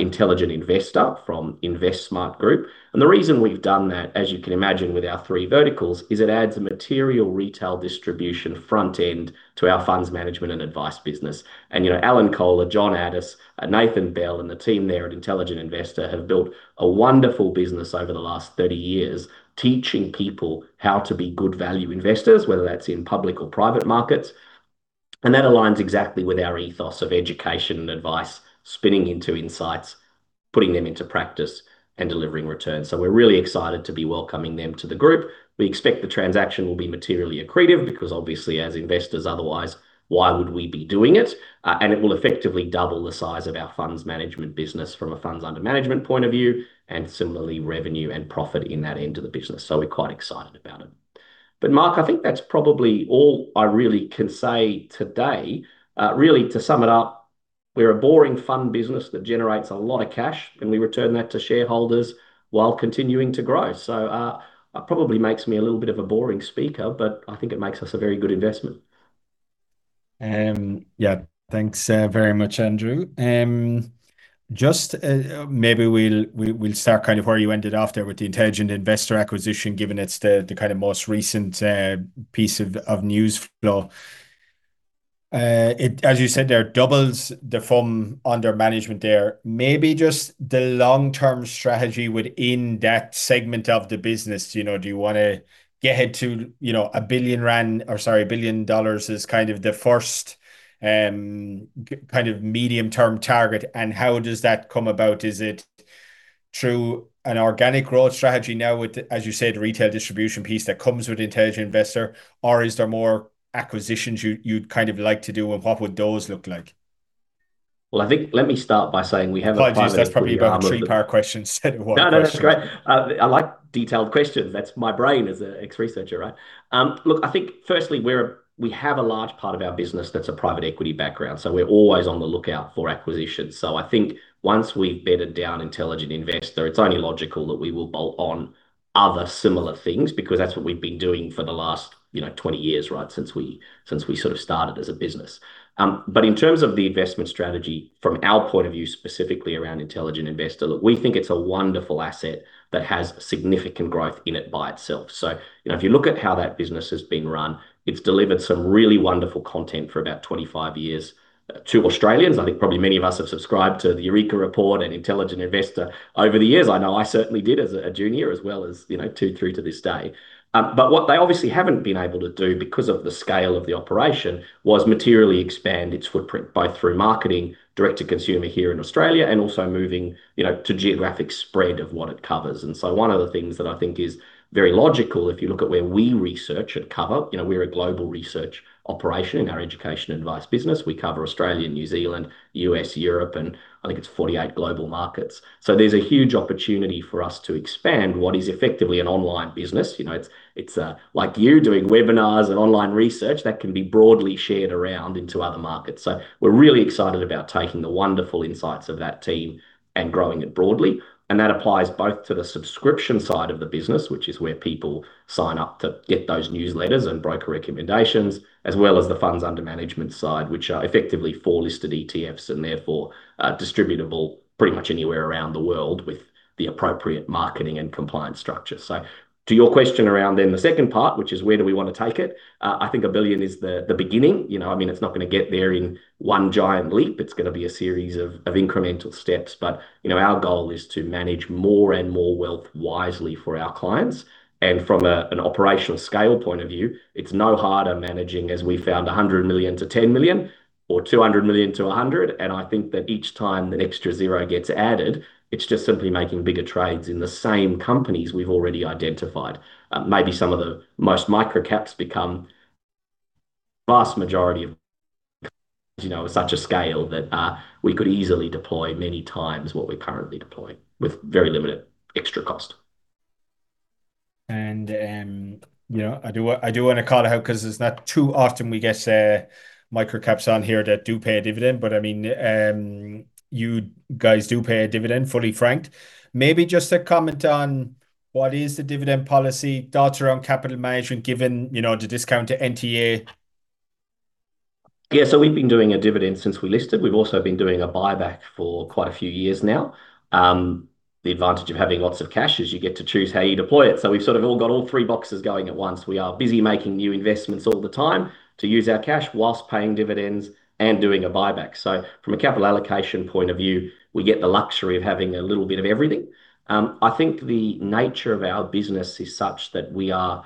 Intelligent Investor from InvestSMART Group. The reason we've done that, as you can imagine with our three verticals, is it adds a material retail distribution front end to our funds management and advice business. Alan Kohler, John Addis, Nathan Bell, and the team there at Intelligent Investor have built a wonderful business over the last 30 years, teaching people how to be good value investors, whether that's in public or private markets. That aligns exactly with our ethos of education and advice, spinning into insights, putting them into practice, and delivering returns. We're really excited to be welcoming them to the group. We expect the transaction will be materially accretive because obviously as investors, otherwise, why would we be doing it? It will effectively double the size of our funds management business from a funds under management point of view, and similarly, revenue and profit in that end of the business. We're quite excited about it. Mark, I think that's probably all I really can say today. Really to sum it up, we're a boring fund business that generates a lot of cash, and we return that to shareholders while continuing to grow. That probably makes me a little bit of a boring speaker, but I think it makes us a very good investment. Yeah. Thanks very much, Andrew. Just maybe we will start where you ended after with the Intelligent Investor acquisition, given it is the most recent piece of news flow. As you said there, doubles the fund under management there. Maybe just the long-term strategy within that segment of the business. Do you want to get to AUD 1 billion as kind of the first medium-term target, and how does that come about? Is it through an organic growth strategy now with, as you said, retail distribution piece that comes with Intelligent Investor, or is there more acquisitions you would like to do, and what would those look like? Well, I think, let me start by saying we have a private equity arm. Apologies. That's probably about a three-part question said in one question. No, that's great. I like detailed questions. That's my brain as an ex-researcher, right? Look, I think firstly, we have a large part of our business that's a private equity background. We're always on the lookout for acquisitions. I think once we've bedded down Intelligent Investor, it's only logical that we will bolt on other similar things, because that's what we've been doing for the last 20 years, right, since we sort of started as a business. In terms of the investment strategy, from our point of view, specifically around Intelligent Investor, look, we think it's a wonderful asset that has significant growth in it by itself. If you look at how that business has been run, it's delivered some really wonderful content for about 25 years to Australians. I think probably many of us have subscribed to the Eureka Report and Intelligent Investor over the years. I know I certainly did as a junior as well as through to this day. What they obviously haven't been able to do because of the scale of the operation was materially expand its footprint, both through marketing direct to consumer here in Australia and also moving to geographic spread of what it covers. One of the things that I think is very logical, if you look at where we research and cover, we're a global research operation in our education and advice business. We cover Australia, New Zealand, U.S., Europe, and I think it's 48 global markets. There's a huge opportunity for us to expand what is effectively an online business. It's like you doing webinars and online research that can be broadly shared around into other markets. We're really excited about taking the wonderful insights of that team and growing it broadly. That applies both to the subscription side of the business, which is where people sign up to get those newsletters and broker recommendations, as well as the funds under management side, which are effectively four listed ETFs and therefore distributable pretty much anywhere around the world with the appropriate marketing and compliance structure. To your question around then the second part, which is where do we want to take it, I think a billion is the beginning. It's not going to get there in one giant leap. It's going to be a series of incremental steps. Our goal is to manage more and more wealth wisely for our clients. From an operational scale point of view, it's no harder managing, as we found, 100 million to 10 million or 200 million to 100 million. I think that each time that extra zero gets added, it's just simply making bigger trades in the same companies we've already identified. Maybe some of the most micro caps become vast majority of such a scale that we could easily deploy many times what we currently deploy with very limited extra cost. I do want to call it out because it's not too often we get Microcaps on here that do pay a dividend. You guys do pay a dividend fully franked. Maybe just a comment on what is the dividend policy, thoughts around capital management, given the discount to NTA. Yeah. We've been doing a dividend since we listed. We've also been doing a buyback for quite a few years now. The advantage of having lots of cash is you get to choose how you deploy it. We've sort of all got all three boxes going at once. We are busy making new investments all the time to use our cash whilst paying dividends and doing a buyback. From a capital allocation point of view, we get the luxury of having a little bit of everything. I think the nature of our business is such that we are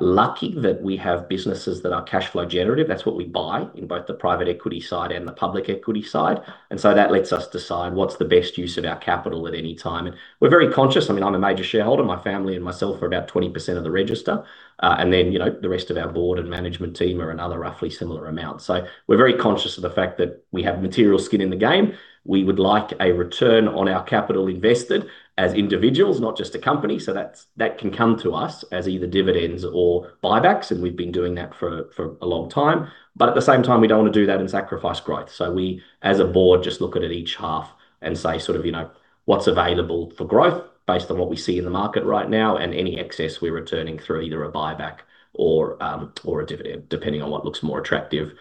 lucky that we have businesses that are cash flow generative. That's what we buy in both the private equity side and the public equity side. That lets us decide what's the best use of our capital at any time. We're very conscious. I'm a major shareholder. My family and myself are about 20% of the register. The rest of our board and management team are another roughly similar amount. We're very conscious of the fact that we have material skin in the game. We would like a return on our capital invested as individuals, not just a company. That can come to us as either dividends or buybacks, and we've been doing that for a long time. At the same time, we don't want to do that and sacrifice growth. We, as a board, just look at it each half and say sort of, "What's available for growth based on what we see in the market right now, and any excess we're returning through either a buyback or a dividend," depending on what looks more attractive.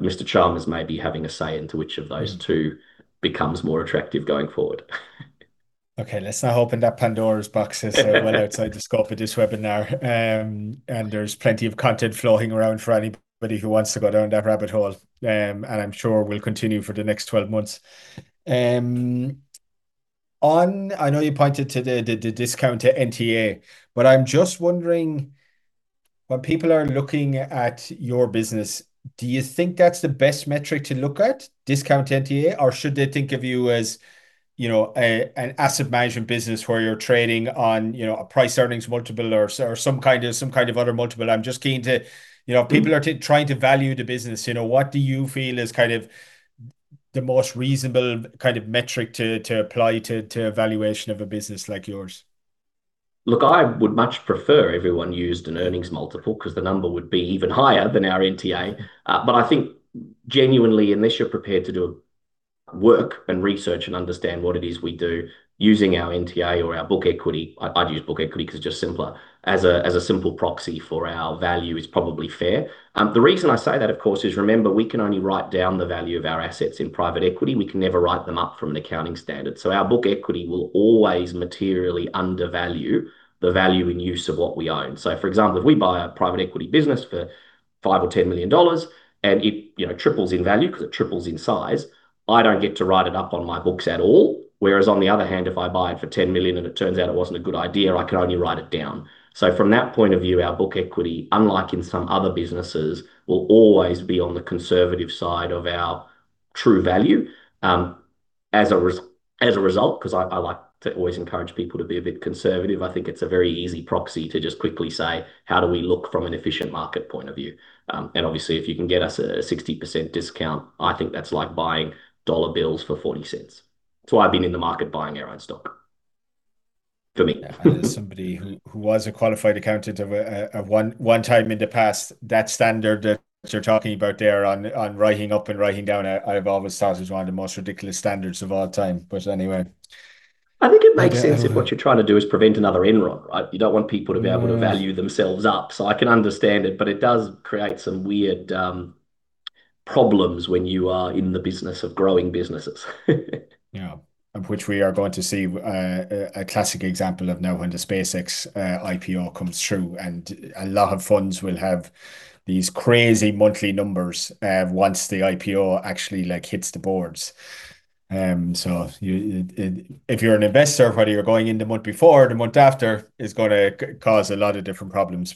Mr. Chalmers may be having a say into which of those two becomes more attractive going forward. Okay. Let's not open that Pandora's box. It's well outside the scope of this webinar. There's plenty of content flowing around for anybody who wants to go down that rabbit hole. I'm sure will continue for the next 12 months. I know you pointed to the discount to NTA. I'm just wondering, when people are looking at your business, do you think that's the best metric to look at, discount NTA, or should they think of you as an asset management business where you're trading on a price-earnings multiple or some kind of other multiple? People are trying to value the business. What do you feel is kind of the most reasonable kind of metric to apply to valuation of a business like yours? Look, I would much prefer everyone used an earnings multiple because the number would be even higher than our NTA. I think genuinely, unless you're prepared to do work and research and understand what it is we do, using our NTA or our book equity, I'd use book equity because it's just simpler, as a simple proxy for our value is probably fair. The reason I say that, of course, is remember, we can only write down the value of our assets in private equity. We can never write them up from an accounting standard. Our book equity will always materially undervalue the value in use of what we own. For example, if we buy a private equity business for 5 million or 10 million dollars, and it triples in value because it triples in size, I don't get to write it up on my books at all. On the other hand, if I buy it for 10 million and it turns out it wasn't a good idea, I can only write it down. From that point of view, our book equity, unlike in some other businesses, will always be on the conservative side of our true value. As a result, because I like to always encourage people to be a bit conservative. I think it's a very easy proxy to just quickly say, how do we look from an efficient market point of view? Obviously, if you can get us a 60% discount, I think that's like buying dollar bills for 0.40. That's why I've been in the market buying our own stock. For me. As somebody who was a qualified accountant at one time in the past, that standard that you're talking about there on writing up and writing down, I've always thought is one of the most ridiculous standards of all time. Anyway. I think it makes sense if what you're trying to do is prevent another Enron, right? You don't want people to be able to value themselves up, so I can understand it, but it does create some weird problems when you are in the business of growing businesses. Yeah. Of which we are going to see a classic example of now when the SpaceX IPO comes through. A lot of funds will have these crazy monthly numbers once the IPO actually hits the boards. If you're an investor, whether you're going in the month before or the month after, it's going to cause a lot of different problems.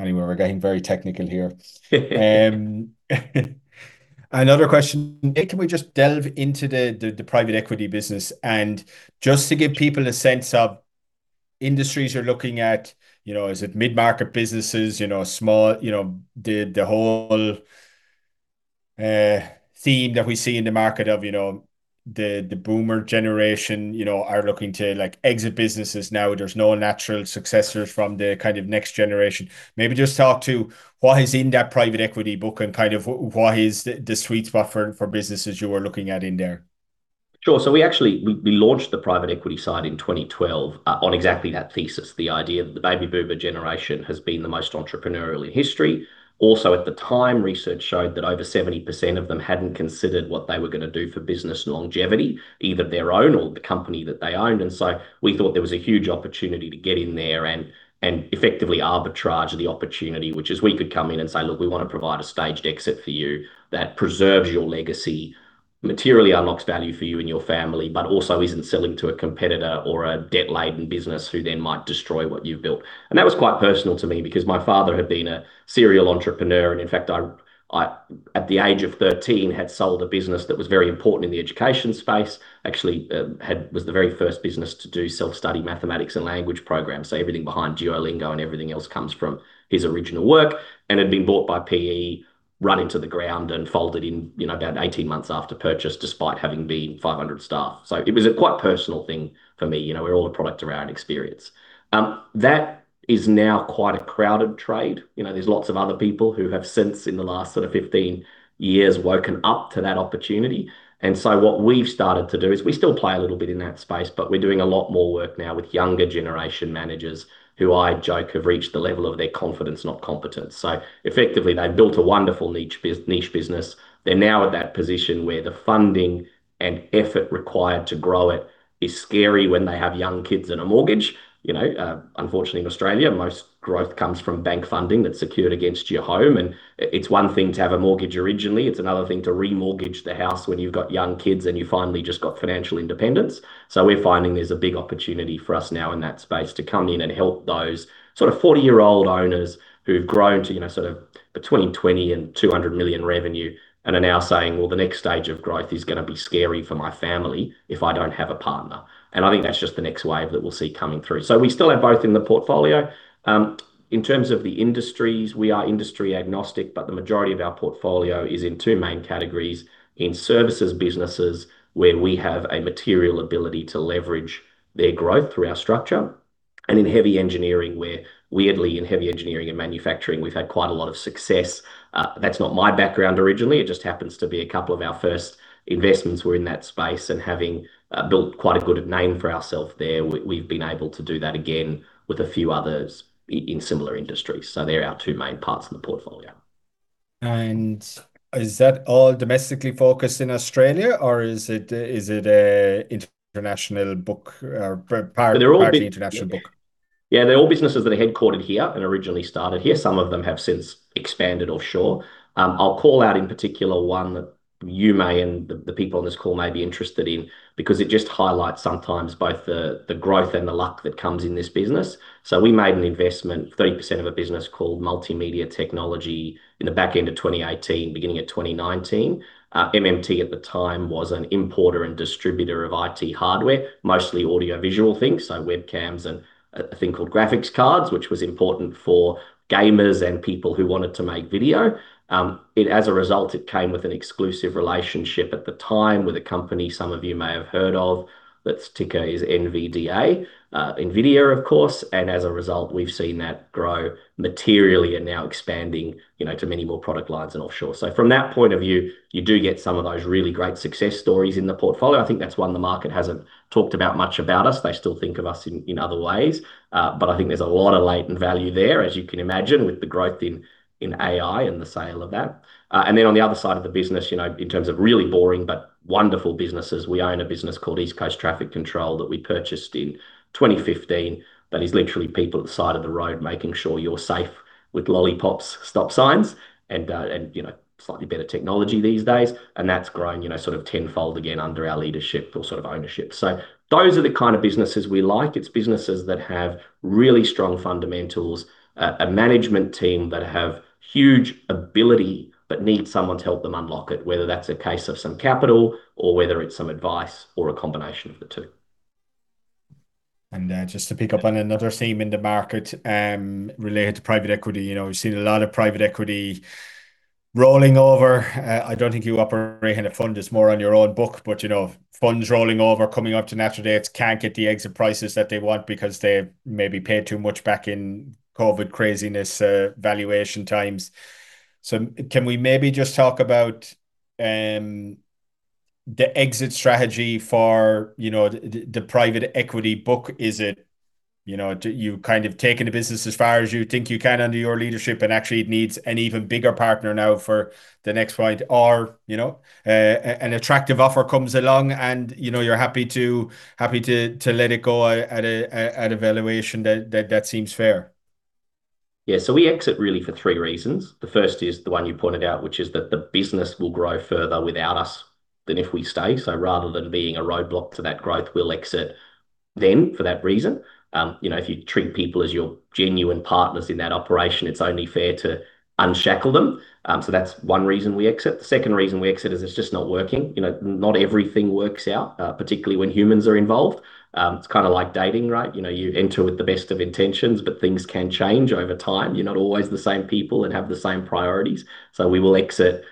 Anyway, we're getting very technical here. Another question. Can we just delve into the private equity business and just to give people a sense of industries you're looking at. Is it mid-market businesses, small, the whole theme that we see in the market of the boomer generation are looking to exit businesses now. There's no natural successors from the kind of next generation. Maybe just talk to what is in that private equity book and kind of what is the sweet spot for businesses you are looking at in there? Sure. We actually launched the private equity side in 2012 on exactly that thesis. The idea of the baby boomer generation has been the most entrepreneurial in history. Also at the time, research showed that over 70% of them hadn't considered what they were going to do for business longevity, either their own or the company that they owned. We thought there was a huge opportunity to get in there and effectively arbitrage the opportunity, which is we could come in and say, "Look, we want to provide a staged exit for you that preserves your legacy, materially unlocks value for you and your family, but also isn't selling to a competitor or a debt-laden business who then might destroy what you've built." That was quite personal to me because my father had been a serial entrepreneur. In fact, I at the age of 13 had sold a business that was very important in the education space. It actually was the very first business to do self-study mathematics and language programs. Everything behind Duolingo and everything else comes from his original work. Had been bought by PE, run into the ground, and folded in about 18 months after purchase, despite having been 500 staff. It was a quite personal thing for me. We're all a product of our own experience. That is now quite a crowded trade. There's lots of other people who have since in the last sort of 15 years woken up to that opportunity. What we've started to do is we still play a little bit in that space, but we're doing a lot more work now with younger generation managers who I joke have reached the level of their confidence, not competence. Effectively, they've built a wonderful niche business. They're now at that position where the funding and effort required to grow it is scary when they have young kids and a mortgage. Unfortunately, in Australia, most growth comes from bank funding that's secured against your home, and it's one thing to have a mortgage originally, it's another thing to remortgage the house when you've got young kids and you finally just got financial independence. We're finding there's a big opportunity for us now in that space to come in and help those sort of 40-year-old owners who've grown to sort of between 20 million and 200 million revenue and are now saying, "Well, the next stage of growth is going to be scary for my family if I don't have a partner." I think that's just the next wave that we'll see coming through. We still have both in the portfolio. In terms of the industries, we are industry agnostic, but the majority of our portfolio is in two main categories, in services businesses where we have a material ability to leverage their growth through our structure, and in heavy engineering, where weirdly, in heavy engineering and manufacturing, we've had quite a lot of success. That's not my background originally. It just happens to be a couple of our first investments were in that space and having built quite a good name for ourselves there, we've been able to do that again with a few others in similar industries. They're our two main parts of the portfolio. Is that all domestically focused in Australia, or is it a international book or part of the international book? Yeah, they're all businesses that are headquartered here and originally started here. Some of them have since expanded offshore. I'll call out in particular one that you may, and the people on this call may be interested in because it just highlights sometimes both the growth and the luck that comes in this business. We made an investment, 30% of a business called Multimedia Technology in the back end of 2018, beginning of 2019. MMT at the time was an importer and distributor of IT hardware, mostly audiovisual things, so webcams and a thing called graphics cards, which was important for gamers and people who wanted to make video. As a result, it came with an exclusive relationship at the time with a company some of you may have heard of, that's ticker is NVDA, NVIDIA, of course. As a result, we've seen that grow materially and now expanding, to many more product lines and offshore. From that point of view, you do get some of those really great success stories in the portfolio. I think that's one the market hasn't talked about much about us. They still think of us in other ways. I think there's a lot of latent value there, as you can imagine, with the growth in AI and the sale of that. Then on the other side of the business, in terms of really boring but wonderful businesses, we own a business called East Coast Traffic Control that we purchased in 2015, that is literally people at the side of the road making sure you're safe with lollipops, stop signs, and slightly better technology these days. That's grown sort of tenfold again under our leadership or sort of ownership. Those are the kind of businesses we like. It's businesses that have really strong fundamentals, a management team that have huge ability but need someone to help them unlock it, whether that's a case of some capital or whether it's some advice or a combination of the two. Just to pick up on another theme in the market, related to private equity. We've seen a lot of private equity rolling over. I don't think you operate in a fund. It's more on your own book, but funds rolling over, coming up to natural dates, can't get the exit prices that they want because they maybe paid too much back in COVID craziness valuation times. Can we maybe just talk about the exit strategy for the private equity book? Is it you've kind of taken the business as far as you think you can under your leadership, and actually, it needs an even bigger partner now for the next ride or an attractive offer comes along and you're happy to let it go at a valuation that seems fair? Yeah. We exit really for three reasons. The first is the one you pointed out, which is that the business will grow further without us than if we stay. Rather than being a roadblock to that growth, we'll exit then for that reason. If you treat people as your genuine partners in that operation, it's only fair to unshackle them. That's one reason we exit. The second reason we exit is it's just not working. Not everything works out, particularly when humans are involved. It's kind of like dating, right? You enter with the best of intentions, things can change over time. You're not always the same people and have the same priorities. We will exit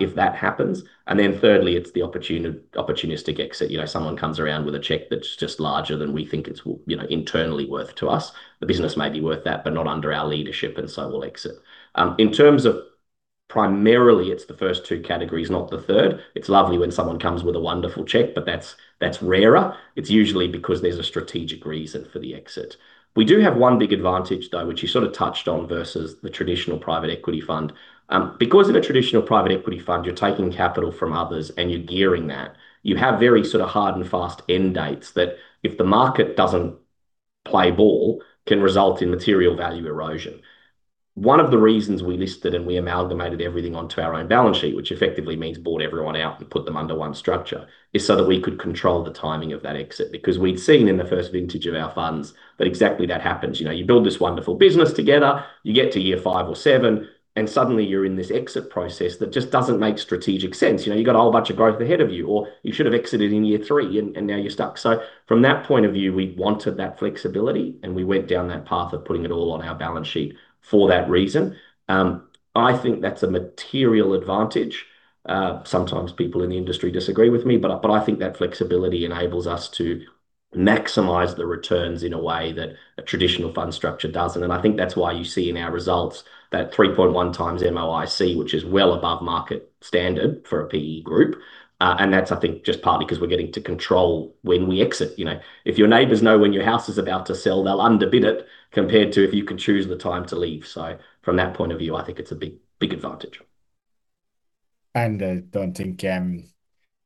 if that happens. Thirdly, it's the opportunistic exit. Someone comes around with a check that's just larger than we think it's internally worth to us. The business may be worth that, but not under our leadership, and so we'll exit. In terms of primarily, it's the first two categories, not the third. It's lovely when someone comes with a wonderful check, but that's rarer. It's usually because there's a strategic reason for the exit. We do have one big advantage, though, which you sort of touched on versus the traditional private equity fund. Because of a traditional private equity fund, you're taking capital from others and you're gearing that. You have very sort of hard and fast end dates that if the market doesn't play ball, can result in material value erosion. One of the reasons we listed and we amalgamated everything onto our own balance sheet, which effectively means bought everyone out and put them under one structure, is so that we could control the timing of that exit because we'd seen in the first vintage of our funds that exactly that happens. You build this wonderful business together. You get to year five or seven, and suddenly you're in this exit process that just doesn't make strategic sense. You've got a whole bunch of growth ahead of you, or you should have exited in year three and now you're stuck. From that point of view, we wanted that flexibility, and we went down that path of putting it all on our balance sheet for that reason. I think that's a material advantage. Sometimes people in the industry disagree with me, but I think that flexibility enables us to maximize the returns in a way that a traditional fund structure doesn't. I think that's why you see in our results that 3.1x MOIC, which is well above market standard for a PE group. That's, I think, just partly because we're getting to control when we exit. If your neighbors know when your house is about to sell, they'll underbid it compared to if you can choose the time to leave. From that point of view, I think it's a big advantage. I don't think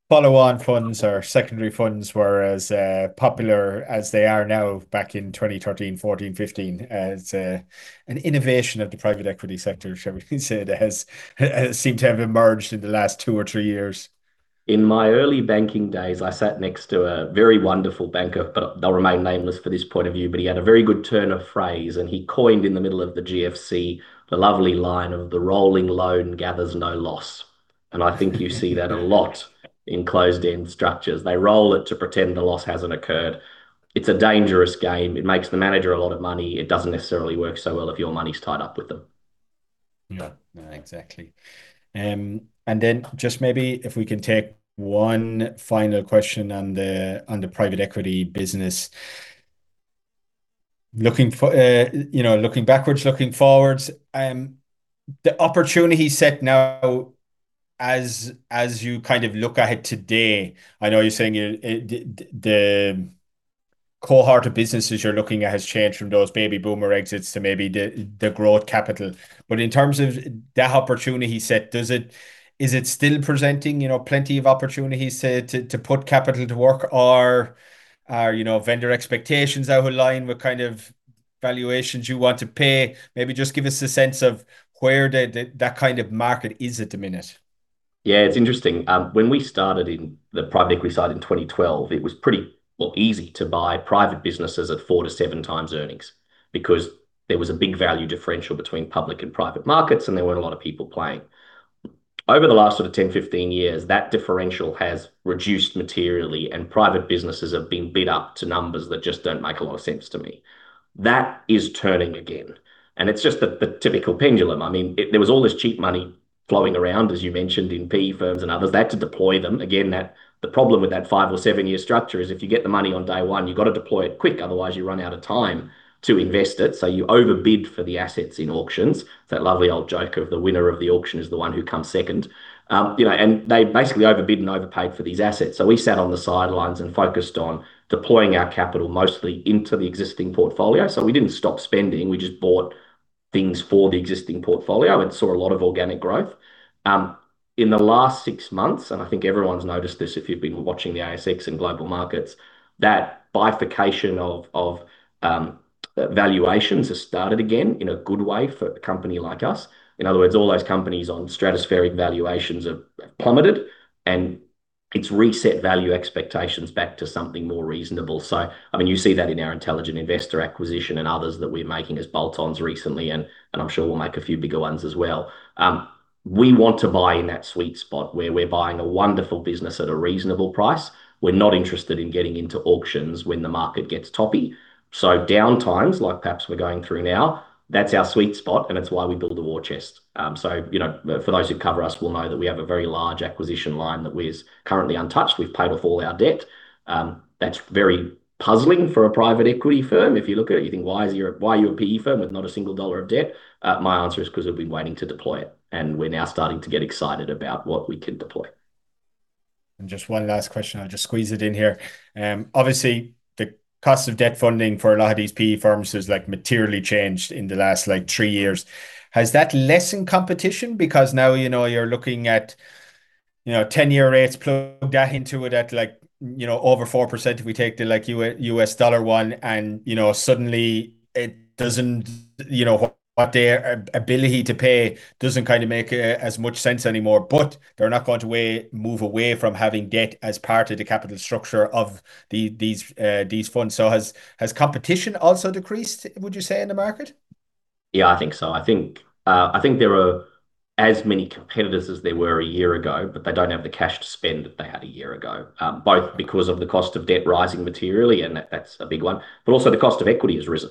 follow-on funds or secondary funds were as popular as they are now back in 2013, 2014, 2015. It's an innovation of the private equity sector, shall we say, that has seemed to have emerged in the last two or three years. In my early banking days, I sat next to a very wonderful banker, they'll remain nameless for this point of view, he had a very good turn of phrase, and he coined in the middle of the GFC the lovely line of, "The rolling loan gathers no loss." I think you see that a lot in closed-end structures. They roll it to pretend the loss hasn't occurred. It's a dangerous game. It makes the manager a lot of money. It doesn't necessarily work so well if your money's tied up with them. Yeah. No, exactly. Just maybe if we can take one final question on the private equity business. Looking backwards, looking forwards, the opportunity set now as you kind of look at it today, I know you're saying the cohort of businesses you're looking at has changed from those baby boomer exits to maybe the growth capital. In terms of that opportunity set, is it still presenting plenty of opportunities to put capital to work? Are vendor expectations out of line with kind of valuations you want to pay? Maybe just give us a sense of where that kind of market is at the minute? It's interesting. When we started in the private equity side in 2012, it was pretty, well, easy to buy private businesses at 4x-7x earnings because there was a big value differential between public and private markets, and there weren't a lot of people playing. Over the last sort of 10, 15 years, that differential has reduced materially and private businesses have been bid up to numbers that just don't make a lot of sense to me. That is turning again. It's just the typical pendulum. There was all this cheap money flowing around, as you mentioned, in PE firms and others. They had to deploy them. The problem with that five or seven-year structure is if you get the money on day one, you've got to deploy it quick, otherwise you run out of time to invest it, you overbid for the assets in auctions. It's that lovely old joke of the winner of the auction is the one who comes second. They basically overbid and overpaid for these assets. We sat on the sidelines and focused on deploying our capital mostly into the existing portfolio. We didn't stop spending, we just bought things for the existing portfolio and saw a lot of organic growth. In the last six months, I think everyone's noticed this if you've been watching the ASX and global markets, that bifurcation of valuations has started again in a good way for a company like us. All those companies on stratospheric valuations have plummeted, and it's reset value expectations back to something more reasonable. You see that in our Intelligent Investor acquisition and others that we're making as bolt-ons recently, and I'm sure we'll make a few bigger ones as well. We want to buy in that sweet spot where we're buying a wonderful business at a reasonable price. We're not interested in getting into auctions when the market gets toppy. Downtimes, like perhaps we're going through now, that's our sweet spot and it's why we build a war chest. For those who cover us will know that we have a very large acquisition line that is currently untouched. We've paid off all our debt. That's very puzzling for a private equity firm. If you look at it, you think, "Why are you a PE firm with not a single dollar of debt?" My answer is because we've been waiting to deploy it, and we're now starting to get excited about what we can deploy. Just one last question, I'll just squeeze it in here. Obviously, the cost of debt funding for a lot of these PE firms has materially changed in the last three years. Has that lessened competition? Now you're looking at 10-year rates, plug that into it at over 4%, if we take the U.S. dollar one, and suddenly it doesn't, what their ability to pay doesn't kind of make as much sense anymore. They're not going to move away from having debt as part of the capital structure of these funds. Has competition also decreased, would you say, in the market? Yeah, I think so. I think there are as many competitors as there were a year ago, but they don't have the cash to spend that they had a year ago, both because of the cost of debt rising materially, and that's a big one. Also, the cost of equity has risen.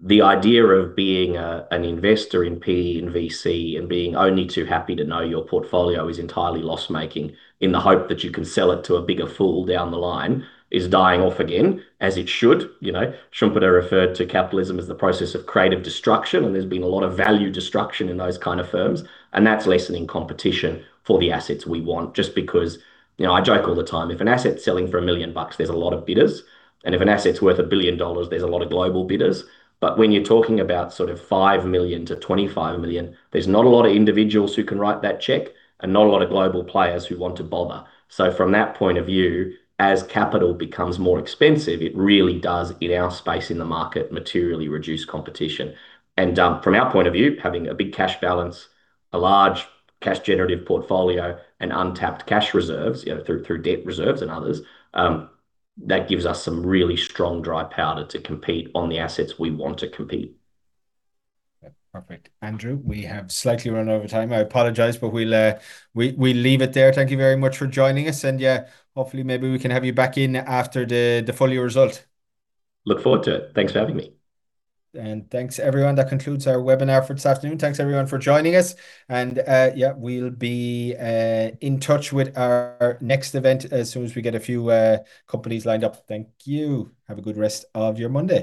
The idea of being an investor in PE and VC and being only too happy to know your portfolio is entirely loss-making in the hope that you can sell it to a bigger fool down the line is dying off again, as it should. Schumpeter referred to capitalism as the process of creative destruction, and there's been a lot of value destruction in those kind of firms, and that's lessening competition for the assets we want. Just because, I joke all the time, if an asset's selling for 1 million bucks, there's a lot of bidders, and if an asset's worth 1 billion dollars, there's a lot of global bidders. When you're talking about sort of 5 million-25 million, there's not a lot of individuals who can write that check and not a lot of global players who want to bother. From that point of view, as capital becomes more expensive, it really does, in our space in the market, materially reduce competition. From our point of view, having a big cash balance, a large cash generative portfolio, and untapped cash reserves, through debt reserves and others, that gives us some really strong dry powder to compete on the assets we want to compete. Perfect. Andrew, we have slightly run over time. I apologize, but we'll leave it there. Thank you very much for joining us, and yeah, hopefully maybe we can have you back in after the full-year result. Look forward to it. Thanks for having me. Thanks, everyone. That concludes our webinar for this afternoon. Thanks, everyone, for joining us. Yeah, we'll be in touch with our next event as soon as we get a few companies lined up. Thank you. Have a good rest of your Monday.